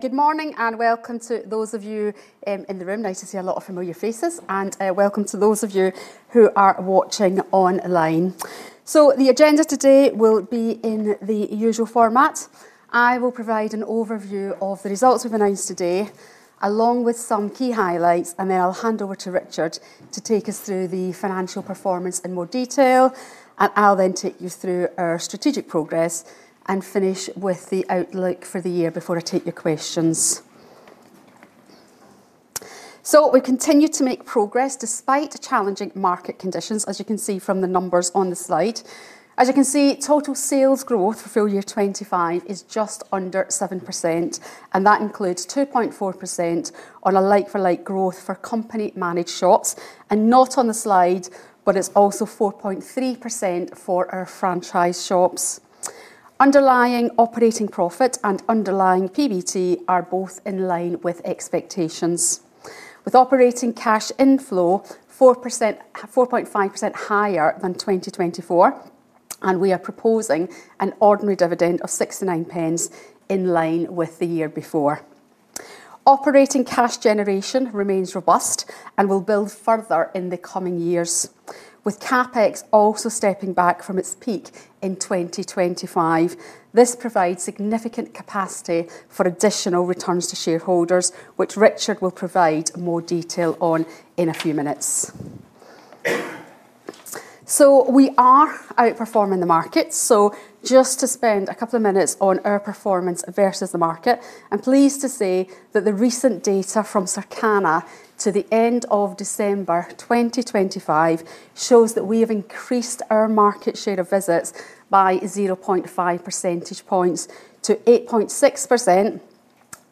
Good morning and welcome to those of you in the room. Nice to see a lot of familiar faces and welcome to those of you who are watching online. The agenda today will be in the usual format. I will provide an overview of the results we've announced today, along with some key highlights, then I'll hand over to Richard to take us through the financial performance in more detail. I'll then take you through our strategic progress and finish with the outlook for the year before I take your questions. We continue to make progress despite challenging market conditions, as you can see from the numbers on the slide. As you can see, total sales growth for full year 25 is just under 7%, and that includes 2.4% on a like-for-like growth for company managed shops. Not on the slide, but it's also 4.3% for our franchise shops. Underlying operating profit and underlying PBT are both in line with expectations. With operating cash inflow 4.5% higher than 2024, we are proposing an ordinary dividend of 0.69 in line with the year before. Operating cash generation remains robust and will build further in the coming years. With CapEx also stepping back from its peak in 2025, this provides significant capacity for additional returns to shareholders, which Richard will provide more detail on in a few minutes. We are outperforming the market. Just to spend a couple of minutes on our performance versus the market. I'm pleased to say that the recent data from Circana to the end of December 2025 shows that we have increased our market share of visits by 0.5 percentage points to 8.6%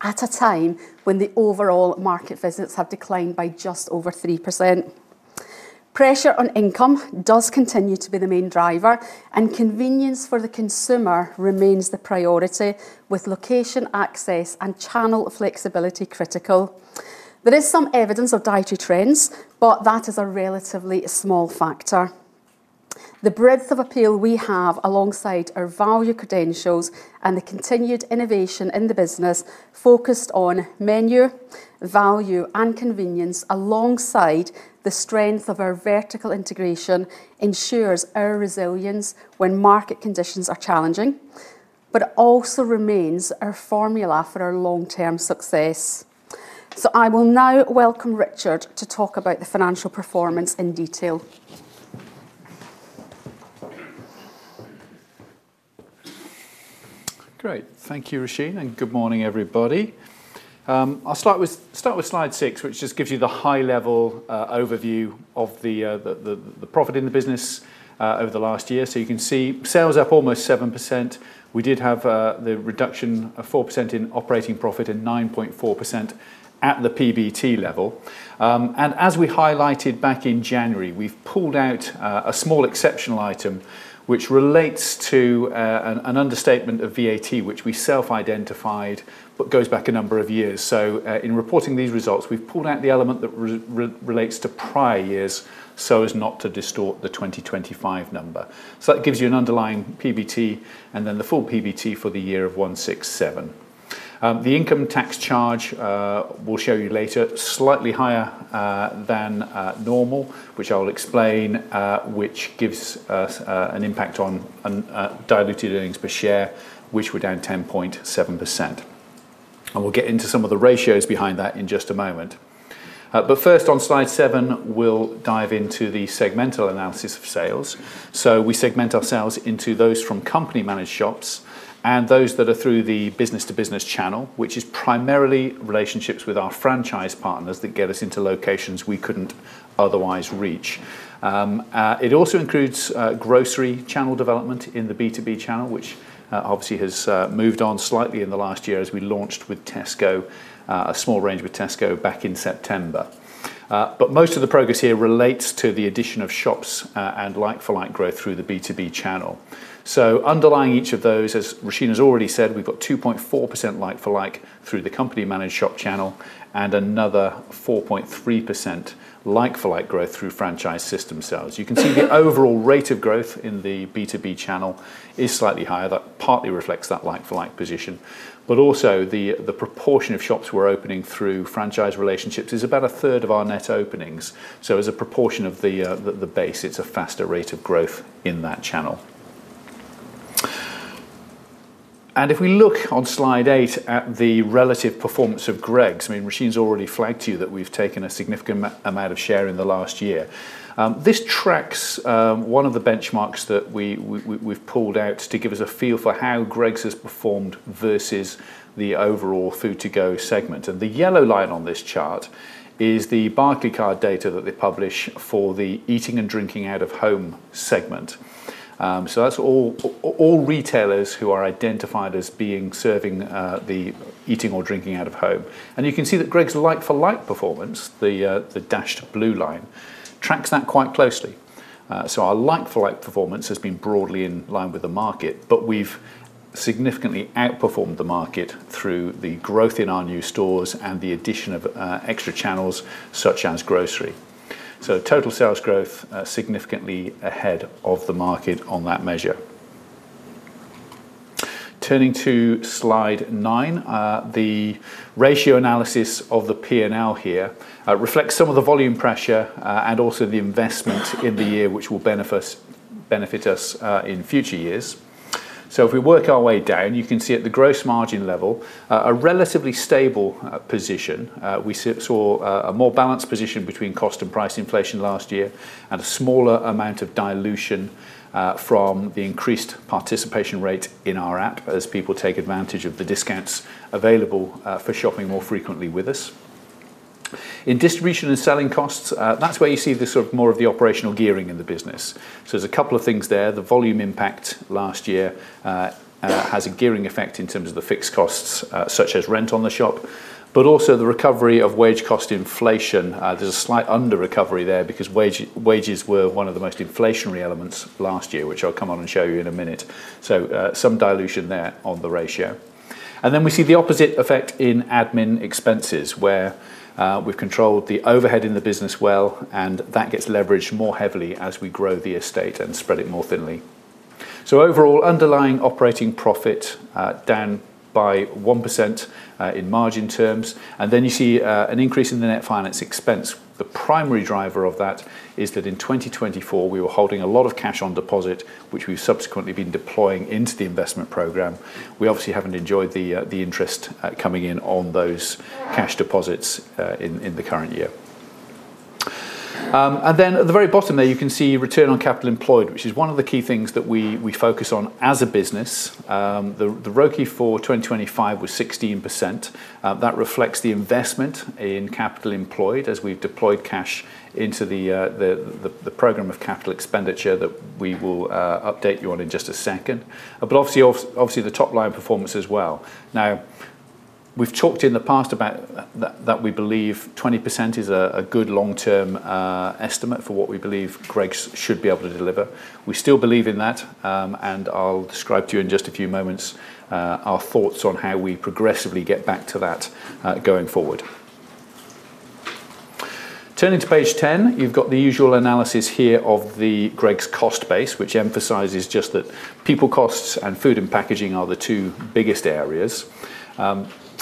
at a time when the overall market visits have declined by just over 3%. Pressure on income does continue to be the main driver, convenience for the consumer remains the priority with location access and channel flexibility critical. There is some evidence of dietary trends, that is a relatively small factor. The breadth of appeal we have alongside our value credentials and the continued innovation in the business focused on menu, value, and convenience alongside the strength of our vertical integration ensures our resilience when market conditions are challenging, also remains our formula for our long-term success. I will now welcome Richard to talk about the financial performance in detail. Great. Thank you, Roisin, and good morning, everybody. I'll start with slide six, which just gives you the high level overview of the profit in the business over the last year. You can see sales up almost 7%. We did have the reduction of 4% in operating profit and 9.4% at the PBT level. As we highlighted back in January, we've pulled out a small exceptional item which relates to an understatement of VAT which we self-identified but goes back a number of years. In reporting these results, we pulled out the element that relates to prior years so as not to distort the 2025 number. It gives you an underlying PBT and then the full PBT for the year of 167. The income tax charge, we'll show you later, slightly higher than normal, which I'll explain, which gives us an impact on diluted earnings per share, which were down 10.7%. We'll get into some of the ratios behind that in just a moment. First on slide seven, we'll dive into the segmental analysis of sales. We segment our sales into those from company managed shops and those that are through the business to business channel, which is primarily relationships with our franchise partners that get us into locations we couldn't otherwise reach. It also includes grocery channel development in the B2B channel, which obviously has moved on slightly in the last year as we launched with Tesco, a small range with Tesco back in September. Most of the progress here relates to the addition of shops and like-for-like growth through the B2B channel. Underlying each of those, as Roisin has already said, we've got 2.4% like-for-like through the company managed shop channel and another 4.3% like-for-like growth through franchise system sales. You can see the overall rate of growth in the B2B channel is slightly higher. That partly reflects that like-for-like position. Also, the proportion of shops we're opening through franchise relationships is about a third of our net openings. As a proportion of the base, it's a faster rate of growth in that channel. If we look on slide eight at the relative performance of Greggs, I mean, Roisin's already flagged to you that we've taken a significant amount of share in the last year. This tracks one of the benchmarks that we've pulled out to give us a feel for how Greggs has performed versus the overall food to go segment. The yellow line on this chart is the Barclaycard data that they publish for the eating and drinking out of home segment. So that's all retailers who are identified as being serving the eating or drinking out of home. You can see that Greggs like-for-like performance, the dashed blue line, tracks that quite closely. Our like-for-like performance has been broadly in line with the market, but we've significantly outperformed the market through the growth in our new stores and the addition of extra channels such as grocery. Total sales growth significantly ahead of the market on that measure. Turning to slide nine, the ratio analysis of the P&L here reflects some of the volume pressure and also the investment in the year which will benefit us in future years. If we work our way down, you can see at the gross margin level, a relatively stable position. We saw a more balanced position between cost and price inflation last year and a smaller amount of dilution from the increased participation rate in our App as people take advantage of the discounts available for shopping more frequently with us. In distribution and selling costs, that's where you see the sort of more of the operational gearing in the business. There's a couple of things there. The volume impact last year has a gearing effect in terms of the fixed costs, such as rent on the shop, but also the recovery of wage cost inflation. There's a slight under-recovery there because wages were one of the most inflationary elements last year, which I'll come on and show you in a minute. Some dilution there on the ratio. We see the opposite effect in admin expenses, where we've controlled the overhead in the business well, and that gets leveraged more heavily as we grow the estate and spread it more thinly. Overall, underlying operating profit down by 1% in margin terms, and then you see an increase in the net finance expense. The primary driver of that is that in 2024, we were holding a lot of cash on deposit, which we've subsequently been deploying into the investment program. We obviously haven't enjoyed the interest coming in on those cash deposits in the current year. At the very bottom there, you can see Return on Capital Employed, which is one of the key things that we focus on as a business. The ROCE for 2025 was 16%. That reflects the investment in capital employed as we've deployed cash into the program of capital expenditure that we will update you on in just a second. Obviously the top-line performance as well. Now, we've talked in the past about that we believe 20% is a good long-term estimate for what we believe Greggs should be able to deliver. We still believe in that, and I'll describe to you in just a few moments, our thoughts on how we progressively get back to that going forward. Turning to page 10, you've got the usual analysis here of the Greggs cost base, which emphasizes just that people costs and food and packaging are the two biggest areas.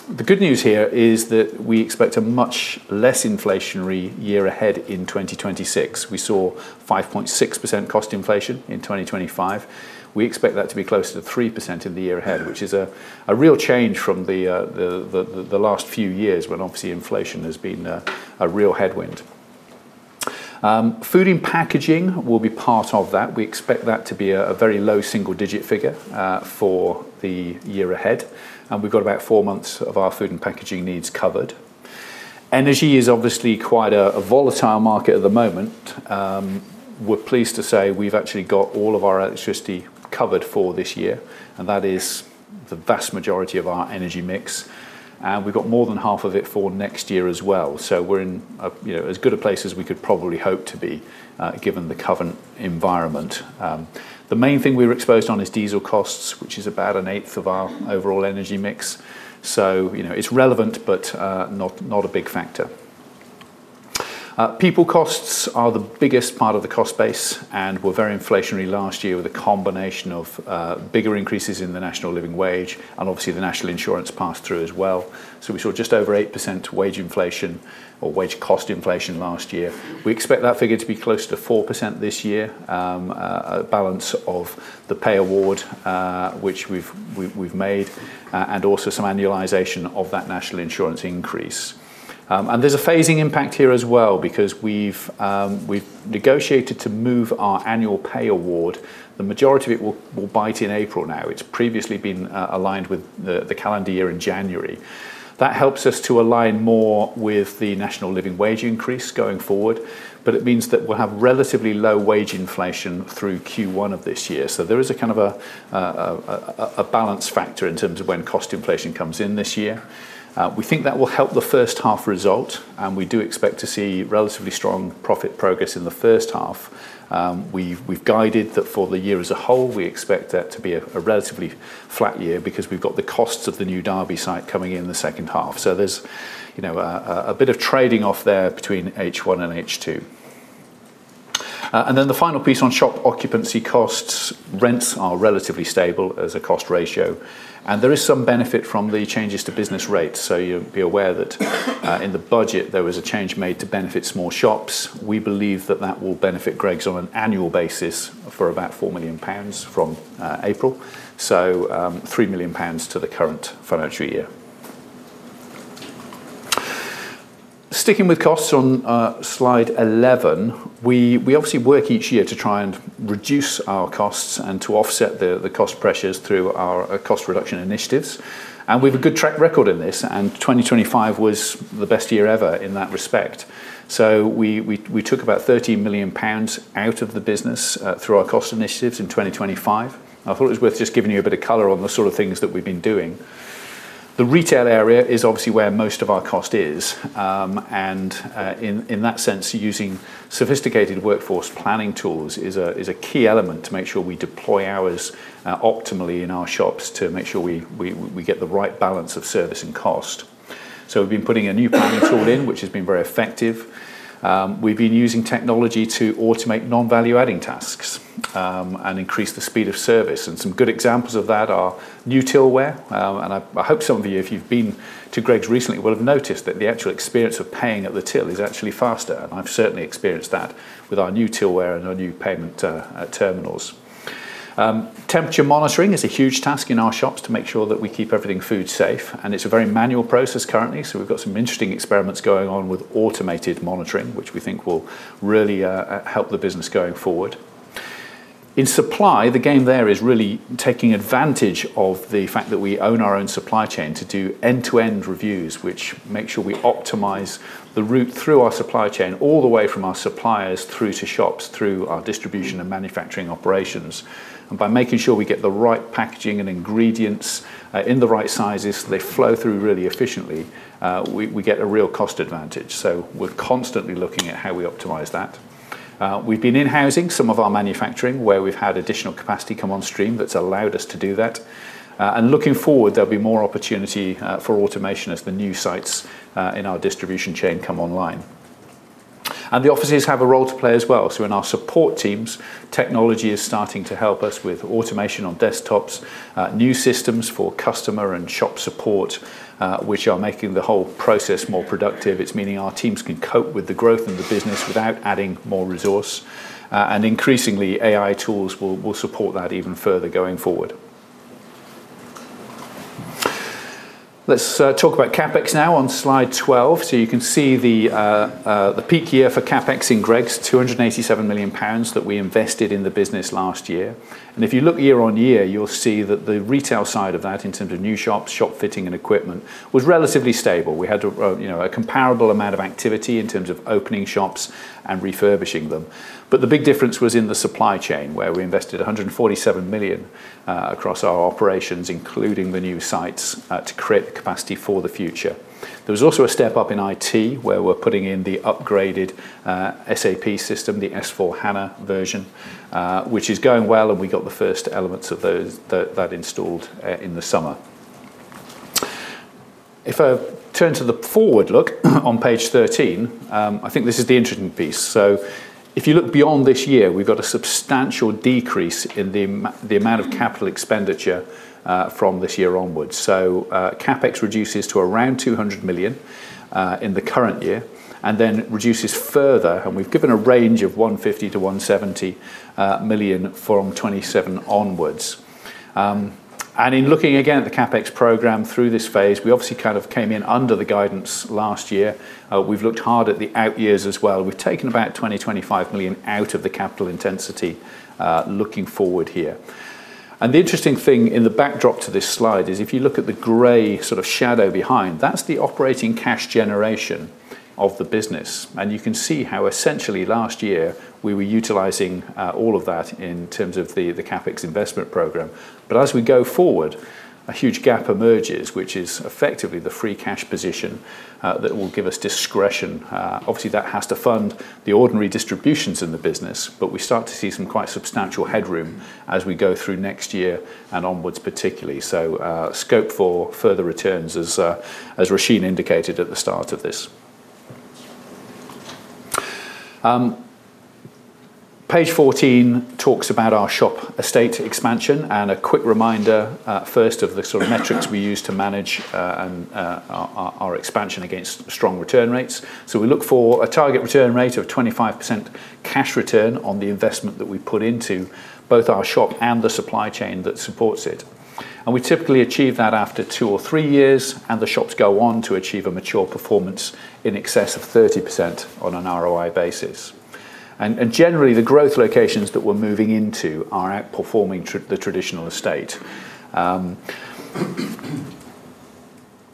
The good news here is that we expect a much less inflationary year ahead in 2026. We saw 5.6% cost inflation in 2025. We expect that to be closer to 3% in the year ahead, which is a real change from the last few years when obviously inflation has been a real headwind. Food and packaging will be part of that. We expect that to be a very low single digit figure for the year ahead. We've got about four months of our food and packaging needs covered. Energy is obviously quite a volatile market at the moment. We're pleased to say we've actually got all of our electricity covered for this year, and that is the vast majority of our energy mix. We've got more than half of it for next year as well. We're in a, you know, as good a place as we could probably hope to be, given the current environment. The main thing we're exposed on is diesel costs, which is about an eighth of our overall energy mix. You know, it's relevant, but not a big factor. People costs are the biggest part of the cost base and were very inflationary last year with a combination of bigger increases in the National Living Wage and obviously the National Insurance passed through as well. We saw just over 8% wage inflation or wage cost inflation last year. We expect that figure to be closer to 4% this year, a balance of the pay award, which we've made, and also some annualization of that National Insurance increase. There's a phasing impact here as well because we've negotiated to move our annual pay award. The majority of it will bite in April now. It's previously been aligned with the calendar year in January. That helps us to align more with the National Living Wage increase going forward, but it means that we'll have relatively low wage inflation through Q1 of this year. There is a kind of a balance factor in terms of when cost inflation comes in this year. We think that will help the first half result. We do expect to see relatively strong profit progress in the first half. We've guided that for the year as a whole, we expect that to be a relatively flat year because we've got the costs of the new Derby site coming in the second half. There's, you know, a bit of trading off there between H1 and H2. The final piece on shop occupancy costs. Rents are relatively stable as a cost ratio. There is some benefit from the changes to Business Rates. You'll be aware that in the budget, there was a change made to benefit small shops. We believe that that will benefit Greggs on an annual basis for about 4 million pounds from April. 3 million pounds to the current financial year. Sticking with costs on slide 11, we obviously work each year to try and reduce our costs and to offset the cost pressures through our cost reduction initiatives. We've a good track record in this, and 2025 was the best year ever in that respect. We took about 30 million pounds out of the business through our cost initiatives in 2025. I thought it was worth just giving you a bit of color on the sort of things that we've been doing. The retail area is obviously where most of our cost is. In that sense, using sophisticated workforce planning tools is a key element to make sure we deploy hours optimally in our shops to make sure we get the right balance of service and cost. We've been putting a new planning tool in, which has been very effective. We've been using technology to automate non-value adding tasks. And increase the speed of service, and some good examples of that are new tillware. I hope some of you, if you've been to Greggs recently, will have noticed that the actual experience of paying at the till is actually faster. I've certainly experienced that with our new tillware and our new payment terminals. Temperature monitoring is a huge task in our shops to make sure that we keep everything food safe, and it's a very manual process currently, so we've got some interesting experiments going on with automated monitoring, which we think will really help the business going forward. In supply, the game there is really taking advantage of the fact that we own our own supply chain to do end-to-end reviews, which make sure we optimize the route through our supply chain all the way from our suppliers through to shops, through our distribution and manufacturing operations. By making sure we get the right packaging and ingredients in the right sizes, they flow through really efficiently, we get a real cost advantage. We're constantly looking at how we optimize that. We've been in-housing some of our manufacturing where we've had additional capacity come on stream that's allowed us to do that. Looking forward, there'll be more opportunity for automation as the new sites in our distribution chain come online. The offices have a role to play as well. In our support teams, technology is starting to help us with automation on desktops, new systems for customer and shop support, which are making the whole process more productive. It's meaning our teams can cope with the growth in the business without adding more resource. Increasingly, AI tools will support that even further going forward. Let's talk about CapEx now on slide 12. You can see the peak year for CapEx in Greggs, 287 million pounds that we invested in the business last year. If you look year-over-year, you'll see that the retail side of that, in terms of new shops, shop fitting and equipment, was relatively stable. We had, you know, a comparable amount of activity in terms of opening shops and refurbishing them. The big difference was in the supply chain, where we invested 147 million across our operations, including the new sites to create capacity for the future. There was also a step up in IT, where we're putting in the upgraded SAP system, the S/4HANA version, which is going well, and we got the first elements of those that installed in the summer. If I turn to the forward look on page 13, I think this is the interesting piece. If you look beyond this year, we've got a substantial decrease in the amount of capital expenditure from this year onwards. CapEx reduces to around 200 million in the current year and then reduces further. We've given a range of 150 million-170 million from 2027 onwards. In looking again at the CapEx program through this phase, we obviously kind of came in under the guidance last year. We've looked hard at the out years as well. We've taken about 20 million-25 million out of the capital intensity looking forward here. The interesting thing in the backdrop to this slide is if you look at the gray sort of shadow behind, that's the operating cash generation of the business. You can see how essentially last year we were utilizing all of that in terms of the CapEx investment program. As we go forward, a huge gap emerges, which is effectively the free cash position that will give us discretion. Obviously, that has to fund the ordinary distributions in the business, but we start to see some quite substantial headroom as we go through next year and onwards, particularly. Scope for further returns as Roisin indicated at the start of this. Page 14 talks about our shop estate expansion and a quick reminder first of the sort of metrics we use to manage our expansion against strong return rates. We look for a target return rate of 25% cash return on the investment that we put into both our shop and the supply chain that supports it. We typically achieve that after two or three years, and the shops go on to achieve a mature performance in excess of 30% on an ROI basis. Generally the growth locations that we're moving into are outperforming the traditional estate.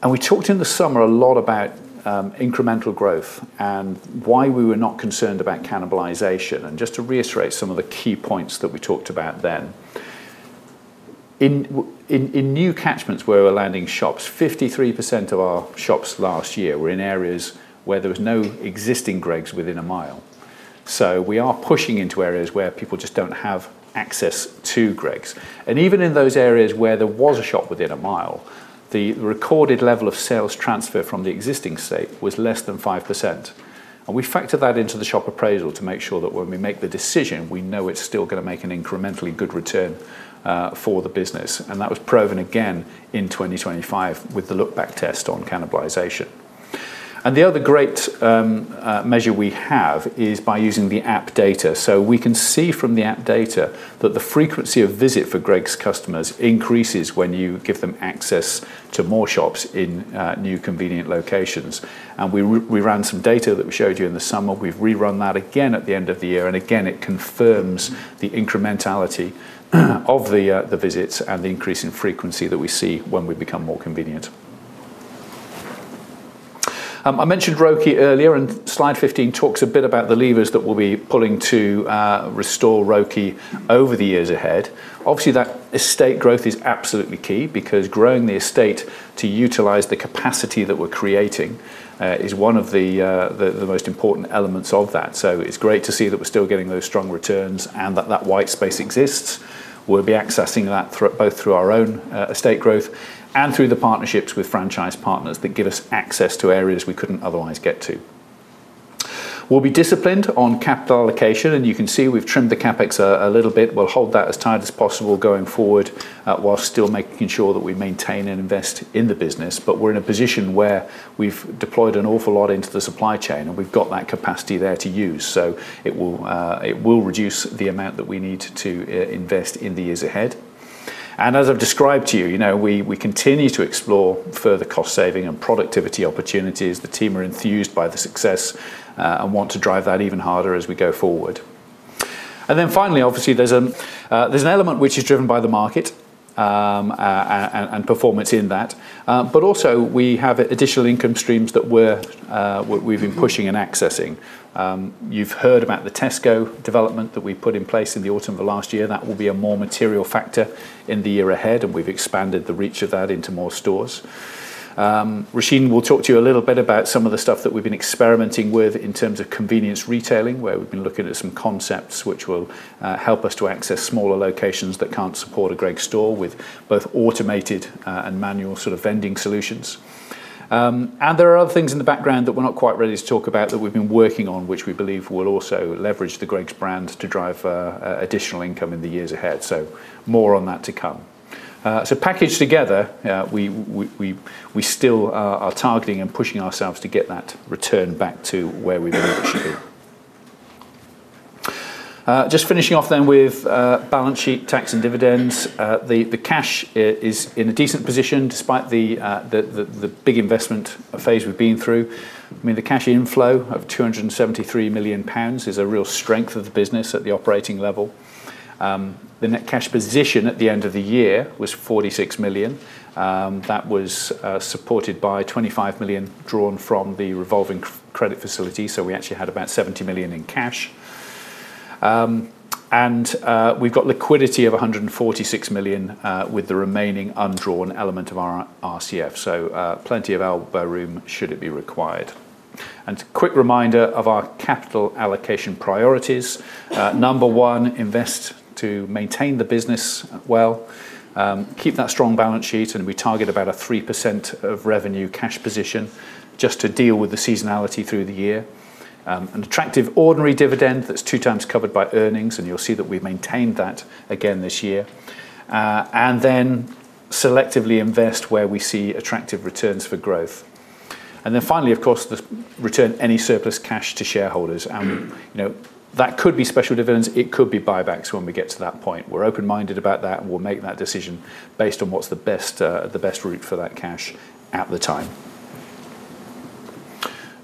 We talked in the summer a lot about incremental growth and why we were not concerned about cannibalization. Just to reiterate some of the key points that we talked about then. In new catchments where we're landing shops, 53% of our shops last year were in areas where there was no existing Greggs within a mile. We are pushing into areas where people just don't have access to Greggs. Even in those areas where there was a shop within a mile, the recorded level of sales transfer from the existing site was less than 5%. We factor that into the shop appraisal to make sure that when we make the decision, we know it's still gonna make an incrementally good return for the business. That was proven again in 2025 with the look-back test on cannibalization. The other great measure we have is by using the app data. We can see from the app data that the frequency of visit for Gregg's customers increases when you give them access to more shops in new convenient locations. We ran some data that we showed you in the summer. We've rerun that again at the end of the year, and again, it confirms the incrementality of the visits and the increase in frequency that we see when we become more convenient. I mentioned ROCE earlier. Slide 15 talks a bit about the levers that we'll be pulling to restore ROCE over the years ahead. Obviously, that estate growth is absolutely key because growing the estate to utilize the capacity that we're creating, is one of the most important elements of that. It's great to see that we're still getting those strong returns and that that white space exists. We'll be accessing that both through our own estate growth and through the partnerships with franchise partners that give us access to areas we couldn't otherwise get to. We'll be disciplined on capital allocation, and you can see we've trimmed the CapEx a little bit. We'll hold that as tight as possible going forward while still making sure that we maintain and invest in the business. We're in a position where we've deployed an awful lot into the supply chain, and we've got that capacity there to use. It will reduce the amount that we need to invest in the years ahead. As I've described to you know, we continue to explore further cost saving and productivity opportunities. The team are enthused by the success, and want to drive that even harder as we go forward. Finally, obviously, there's an element which is driven by the market, and performance in that. Also we have additional income streams that we've been pushing and accessing. You've heard about the Tesco development that we put in place in the autumn of last year. That will be a more material factor in the year ahead, and we've expanded the reach of that into more stores. Roisin will talk to you a little bit about some of the stuff that we've been experimenting with in terms of convenience retailing, where we've been looking at some concepts which will help us to access smaller locations that can't support a Greggs store with both automated and manual sort of vending solutions. There are other things in the background that we're not quite ready to talk about that we've been working on, which we believe will also leverage the Greggs brand to drive additional income in the years ahead. More on that to come. Packaged together, we still are targeting and pushing ourselves to get that return back to where we know it should be. Just finishing off then with balance sheet, tax, and dividends. The cash is in a decent position despite the big investment phase we've been through. I mean, the cash inflow of 273 million pounds is a real strength of the business at the operating level. The net cash position at the end of the year was 46 million. That was supported by 25 million drawn from the revolving credit facility, so we actually had about 70 million in cash. We've got liquidity of 146 million with the remaining undrawn element of our RCF, plenty of elbow room should it be required. Quick reminder of our capital allocation priorities. Number one, invest to maintain the business well. Keep that strong balance sheet, we target about a 3% of revenue cash position just to deal with the seasonality through the year. An attractive ordinary dividend that's two times covered by earnings, you'll see that we've maintained that again this year. Then selectively invest where we see attractive returns for growth. Then finally, of course, return any surplus cash to shareholders. You know, that could be special dividends, it could be buybacks when we get to that point. We're open-minded about that, and we'll make that decision based on what's the best, the best route for that cash at the time.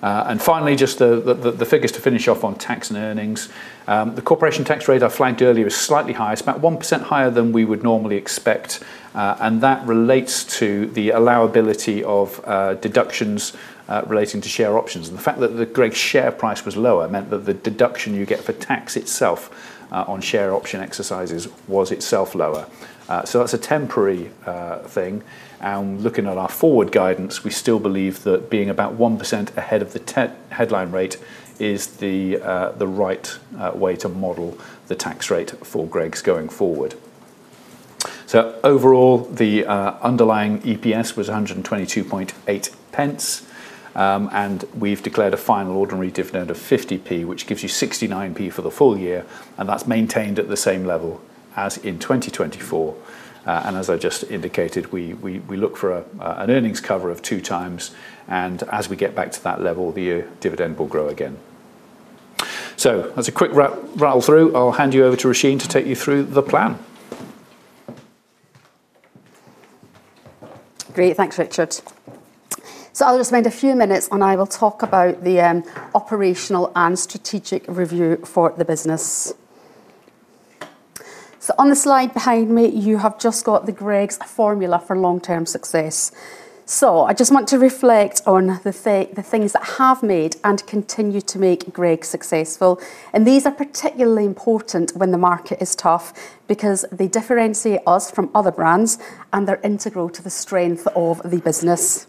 Finally, just the figures to finish off on tax and earnings. The corporation tax rate I flagged earlier was slightly higher. It's about 1% higher than we would normally expect, and that relates to the allowability of deductions, relating to share options. The fact that the Greggs share price was lower meant that the deduction you get for tax itself, on share option exercises was itself lower. That's a temporary thing. Looking at our forward guidance, we still believe that being about 1% ahead of the headline rate is the right way to model the tax rate for Greggs going forward. Overall, the underlying EPS was 122.8 pence, and we've declared a final ordinary dividend of 50 P, which gives you 69 P for the full year, and that's maintained at the same level as in 2024. As I just indicated, we look for, an earnings cover of two times, and as we get back to that level, the dividend will grow again. As a quick rattle through, I'll hand you over to Roisin to take you through the plan. Great. Thanks, Richard. I'll just spend a few minutes and I will talk about the operational and strategic review for the business. On the slide behind me, you have just got the Greggs formula for long-term success. I just want to reflect on the things that have made and continue to make Greggs successful. These are particularly important when the market is tough because they differentiate us from other brands, and they're integral to the strength of the business.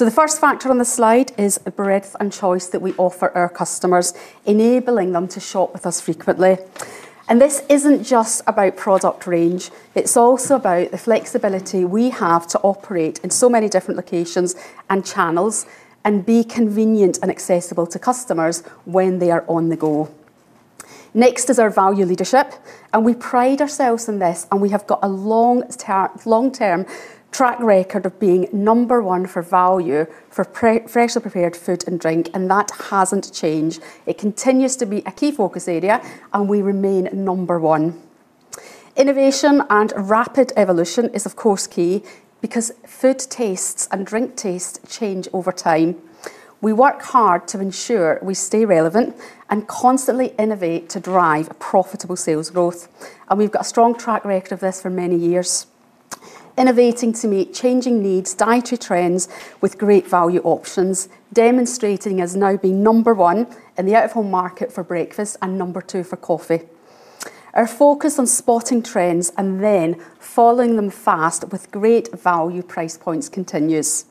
The first factor on the slide is the breadth and choice that we offer our customers, enabling them to shop with us frequently. This isn't just about product range, it's also about the flexibility we have to operate in so many different locations and channels and be convenient and accessible to customers when they are on the go. Next is our value leadership. We pride ourselves in this. We have got a long-term track record of being number one for value for freshly prepared food and drink. That hasn't changed. It continues to be a key focus area. We remain number one. Innovation and rapid evolution is of course key because food tastes and drink tastes change over time. We work hard to ensure we stay relevant and constantly innovate to drive profitable sales growth. We've got a strong track record of this for many years. Innovating to meet changing needs, dietary trends with great value options, demonstrating as now being number one in the out-of-home market for breakfast and number two for coffee. Our focus on spotting trends and then following them fast with great value price points continues.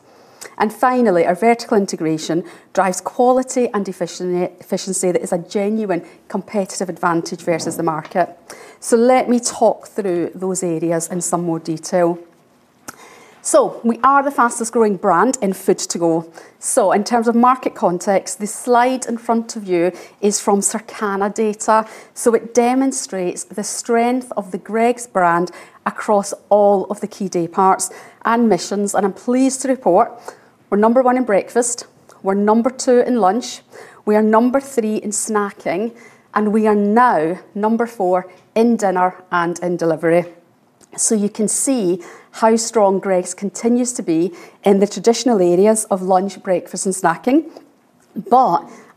Finally, our vertical integration drives quality and efficiency that is a genuine competitive advantage versus the market. Let me talk through those areas in some more detail. We are the fastest growing brand in food to go. In terms of market context, the slide in front of you is from Circana data. It demonstrates the strength of the Greggs brand across all of the key day parts and missions. I'm pleased to report we're number one in breakfast, we're number two in lunch, we are number three in snacking, and we are now number four in dinner and in delivery. You can see how strong Greggs continues to be in the traditional areas of lunch, breakfast and snacking.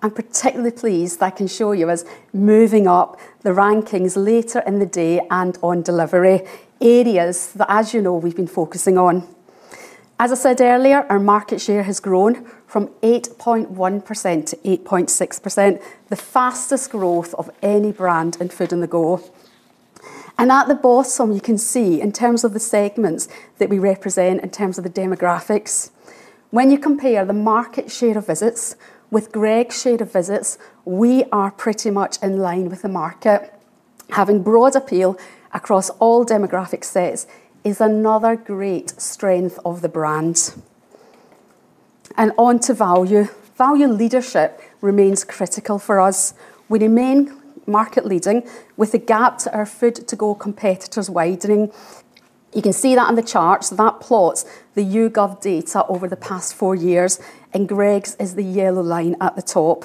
I'm particularly pleased I can show you us moving up the rankings later in the day and on delivery areas that, as you know, we've been focusing on. As I said earlier, our market share has grown from 8.1% to 8.6%, the fastest growth of any brand in food on the go. At the bottom you can see in terms of the segments that we represent in terms of the demographics, when you compare the market share of visits with Greggs' share of visits, we are pretty much in line with the market. Having broad appeal across all demographic sets is another great strength of the brand. On to value. Value leadership remains critical for us. We remain market leading with the gap to our food to go competitors widening. You can see that in the charts. That plots the YouGov data over the past four years. Gregg's is the yellow line at the top.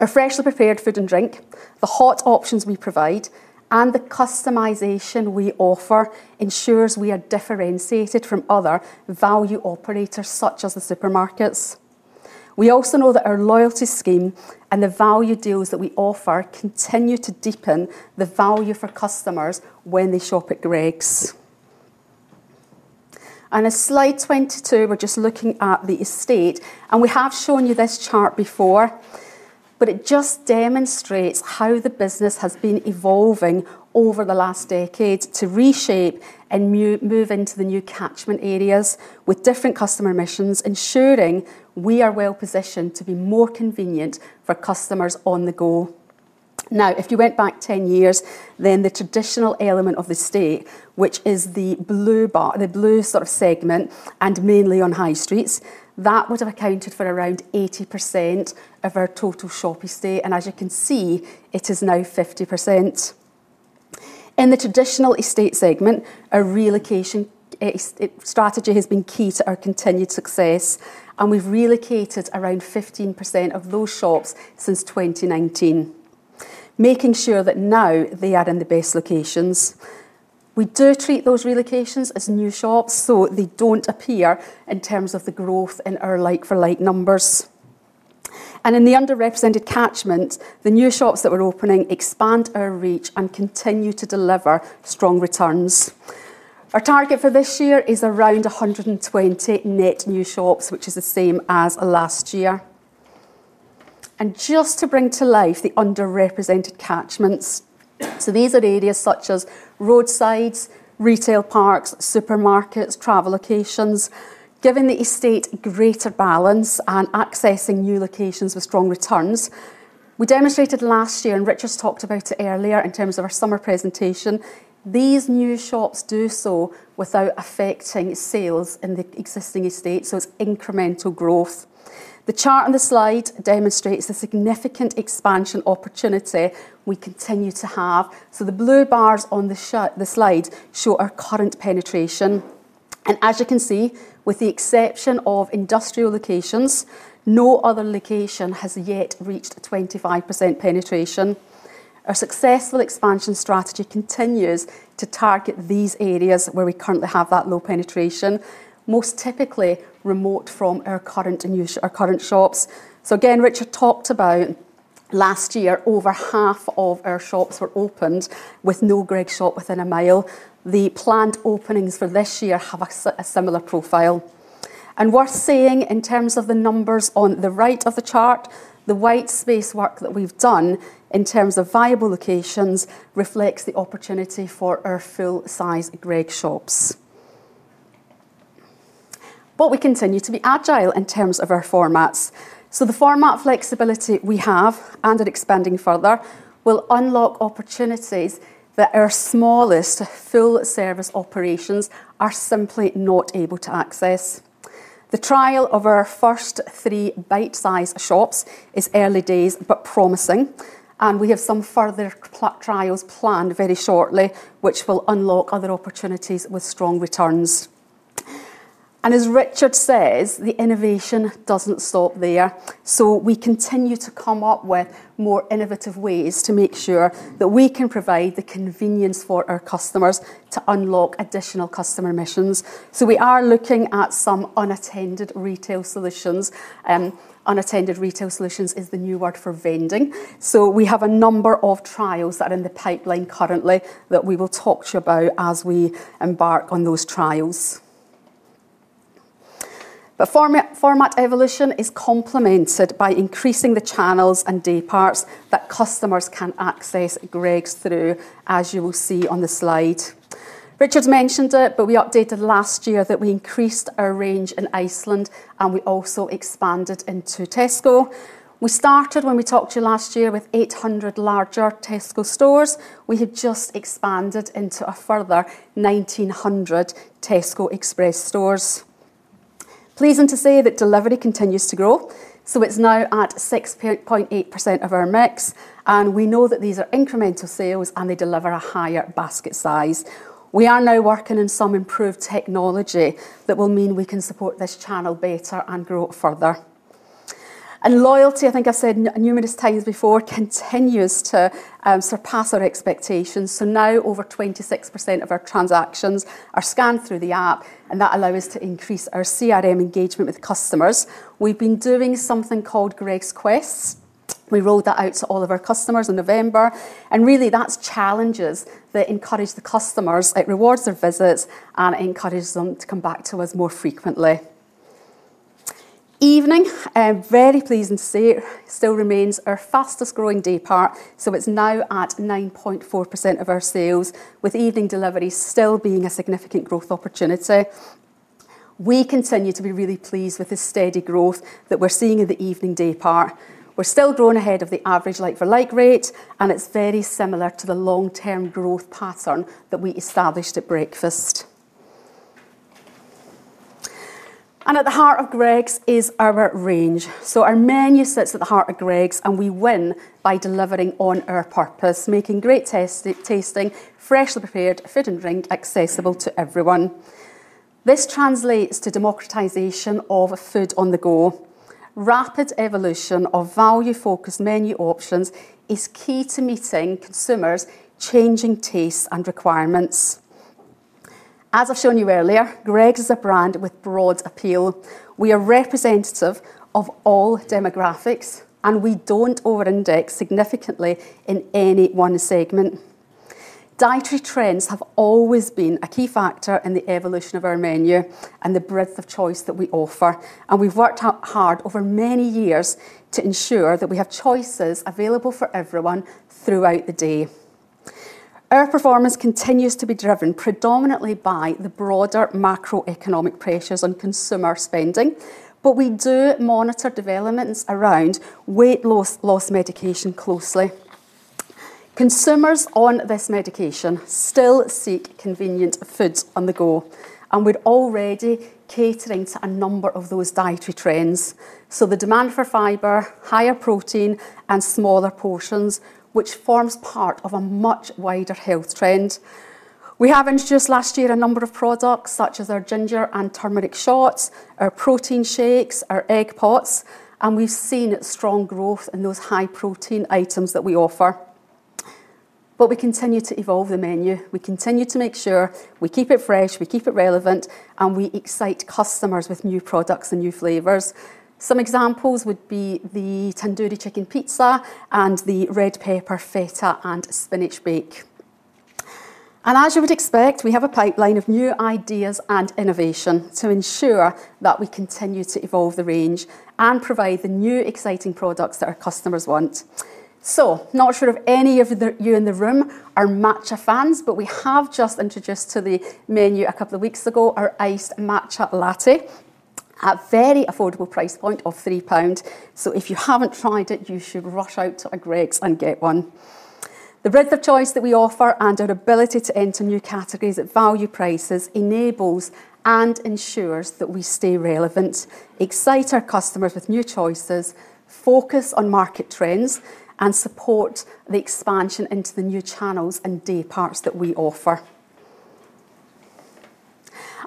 Our freshly prepared food and drink, the hot options we provide, and the customization we offer ensures we are differentiated from other value operators such as the supermarkets. We also know that our loyalty scheme and the value deals that we offer continue to deepen the value for customers when they shop at Gregg's. On to slide 22, we're just looking at the estate. We have shown you this chart before, it just demonstrates how the business has been evolving over the last decade to reshape and move into the new catchment areas with different customer missions, ensuring we are well positioned to be more convenient for customers on the go. If you went back 10 years, then the traditional element of the estate, which is the blue bar, the blue sort of segment, and mainly on high streets, that would have accounted for around 80% of our total shop estate. As you can see, it is now 50%. In the traditional estate segment, a relocation exit strategy has been key to our continued success, and we've relocated around 15% of those shops since 2019, making sure that now they are in the best locations. We do treat those relocations as new shops, so they don't appear in terms of the growth in our like-for-like numbers. In the underrepresented catchment, the new shops that we're opening expand our reach and continue to deliver strong returns. Our target for this year is around 120 net new shops, which is the same as last year. Just to bring to life the underrepresented catchments. These are areas such as roadsides, retail parks, supermarkets, travel locations, giving the estate greater balance and accessing new locations with strong returns. We demonstrated last year, and Richard's talked about it earlier in terms of our summer presentation, these new shops do so without affecting sales in the existing estate, so it's incremental growth. The chart on the slide demonstrates the significant expansion opportunity we continue to have. The blue bars on the slide show our current penetration. As you can see, with the exception of industrial locations, no other location has yet reached 25% penetration. Our successful expansion strategy continues to target these areas where we currently have that low penetration, most typically remote from our current shops. Again, Richard talked about last year, over half of our shops were opened with no Greggs shop within one mile. The planned openings for this year have a similar profile. Worth saying, in terms of the numbers on the right of the chart, the white space work that we've done in terms of viable locations reflects the opportunity for our full size Greggs shops. We continue to be agile in terms of our formats. The format flexibility we have, and are expanding further, will unlock opportunities that our smallest full service operations are simply not able to access. The trial of our first three Bitesize shops is early days but promising. We have some further trials planned very shortly which will unlock other opportunities with strong returns. As Richard says, the innovation doesn't stop there. We continue to come up with more innovative ways to make sure that we can provide the convenience for our customers to unlock additional customer missions. We are looking at some unattended retail solutions. Unattended retail solutions is the new word for vending. We have a number of trials that are in the pipeline currently that we will talk to you about as we embark on those trials. Format evolution is complemented by increasing the channels and day parts that customers can access Greggs through, as you will see on the slide. Richard's mentioned it, but we updated last year that we increased our range in Iceland, and we also expanded into Tesco. We started, when we talked to you last year, with 800 larger Tesco stores. We have just expanded into a further 1,900 Tesco Express stores. Pleasing to say that delivery continues to grow, so it's now at 6.8% of our mix, and we know that these are incremental sales and they deliver a higher basket size. We are now working on some improved technology that will mean we can support this channel better and grow it further. Loyalty, I think I've said numerous times before, continues to surpass our expectations. Now over 26% of our transactions are scanned through the app, and that allow us to increase our CRM engagement with customers. We've been doing something called Greggs Quests. We rolled that out to all of our customers in November, really that's challenges that encourage the customers. It rewards their visits and encourages them to come back to us more frequently. Evening, very pleasing to see it still remains our fastest-growing daypart, it's now at 9.4% of our sales, with evening delivery still being a significant growth opportunity. We continue to be really pleased with the steady growth that we're seeing in the evening daypart. We're still growing ahead of the average like-for-like rate, it's very similar to the long-term growth pattern that we established at breakfast. At the heart of Greggs is our range. Our menu sits at the heart of Greggs, we win by delivering on our purpose, making great-tasting, freshly prepared food and drink accessible to everyone. This translates to democratization of food on the go. Rapid evolution of value-focused menu options is key to meeting consumers' changing tastes and requirements. As I've shown you earlier, Greggs is a brand with broad appeal. We are representative of all demographics, we don't over-index significantly in any one segment. Dietary trends have always been a key factor in the evolution of our menu and the breadth of choice that we offer, we've worked hard over many years to ensure that we have choices available for everyone throughout the day. Our performance continues to be driven predominantly by the broader macroeconomic pressures on consumer spending, we do monitor developments around weight loss medication closely. Consumers on this medication still seek convenient food on the go, we're already catering to a number of those dietary trends. The demand for fiber, higher protein, and smaller portions, which forms part of a much wider health trend. We have introduced last year a number of products such as our Turmeric and Ginger shots, our protein shakes, our Egg Pot, and we've seen strong growth in those high-protein items that we offer. We continue to evolve the menu. We continue to make sure we keep it fresh, we keep it relevant, and we excite customers with new products and new flavors. Some examples would be the Tandoori Chicken Pizza and the Red Pepper, Feta & Spinach Bake. As you would expect, we have a pipeline of new ideas and innovation to ensure that we continue to evolve the range and provide the new exciting products that our customers want. Not sure if any of the, you in the room are Matcha fans, but we have just introduced to the menu a couple of weeks ago our Iced Matcha Latte at very affordable price point of 3 pound. If you haven't tried it, you should rush out to a Gregg's and get one. The breadth of choice that we offer and our ability to enter new categories at value prices enables and ensures that we stay relevant, excite our customers with new choices, focus on market trends, and support the expansion into the new channels and dayparts that we offer.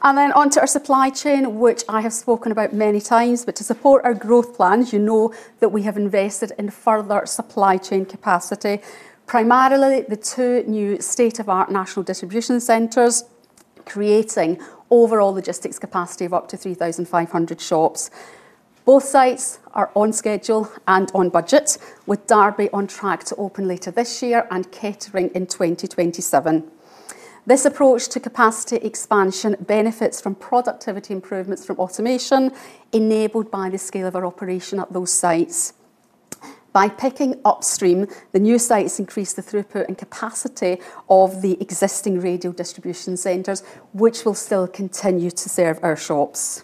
Onto our supply chain, which I have spoken about many times. To support our growth plans, you know that we have invested in further supply chain capacity, primarily the two new state-of-the-art national distribution centers, creating overall logistics capacity of up to 3,500 shops. Both sites are on schedule and on budget, with Derby on track to open later this year and Kettering in 2027. This approach to capacity expansion benefits from productivity improvements from automation enabled by the scale of our operation at those sites. By picking upstream, the new sites increase the throughput and capacity of the existing radial distribution centers, which will still continue to serve our shops.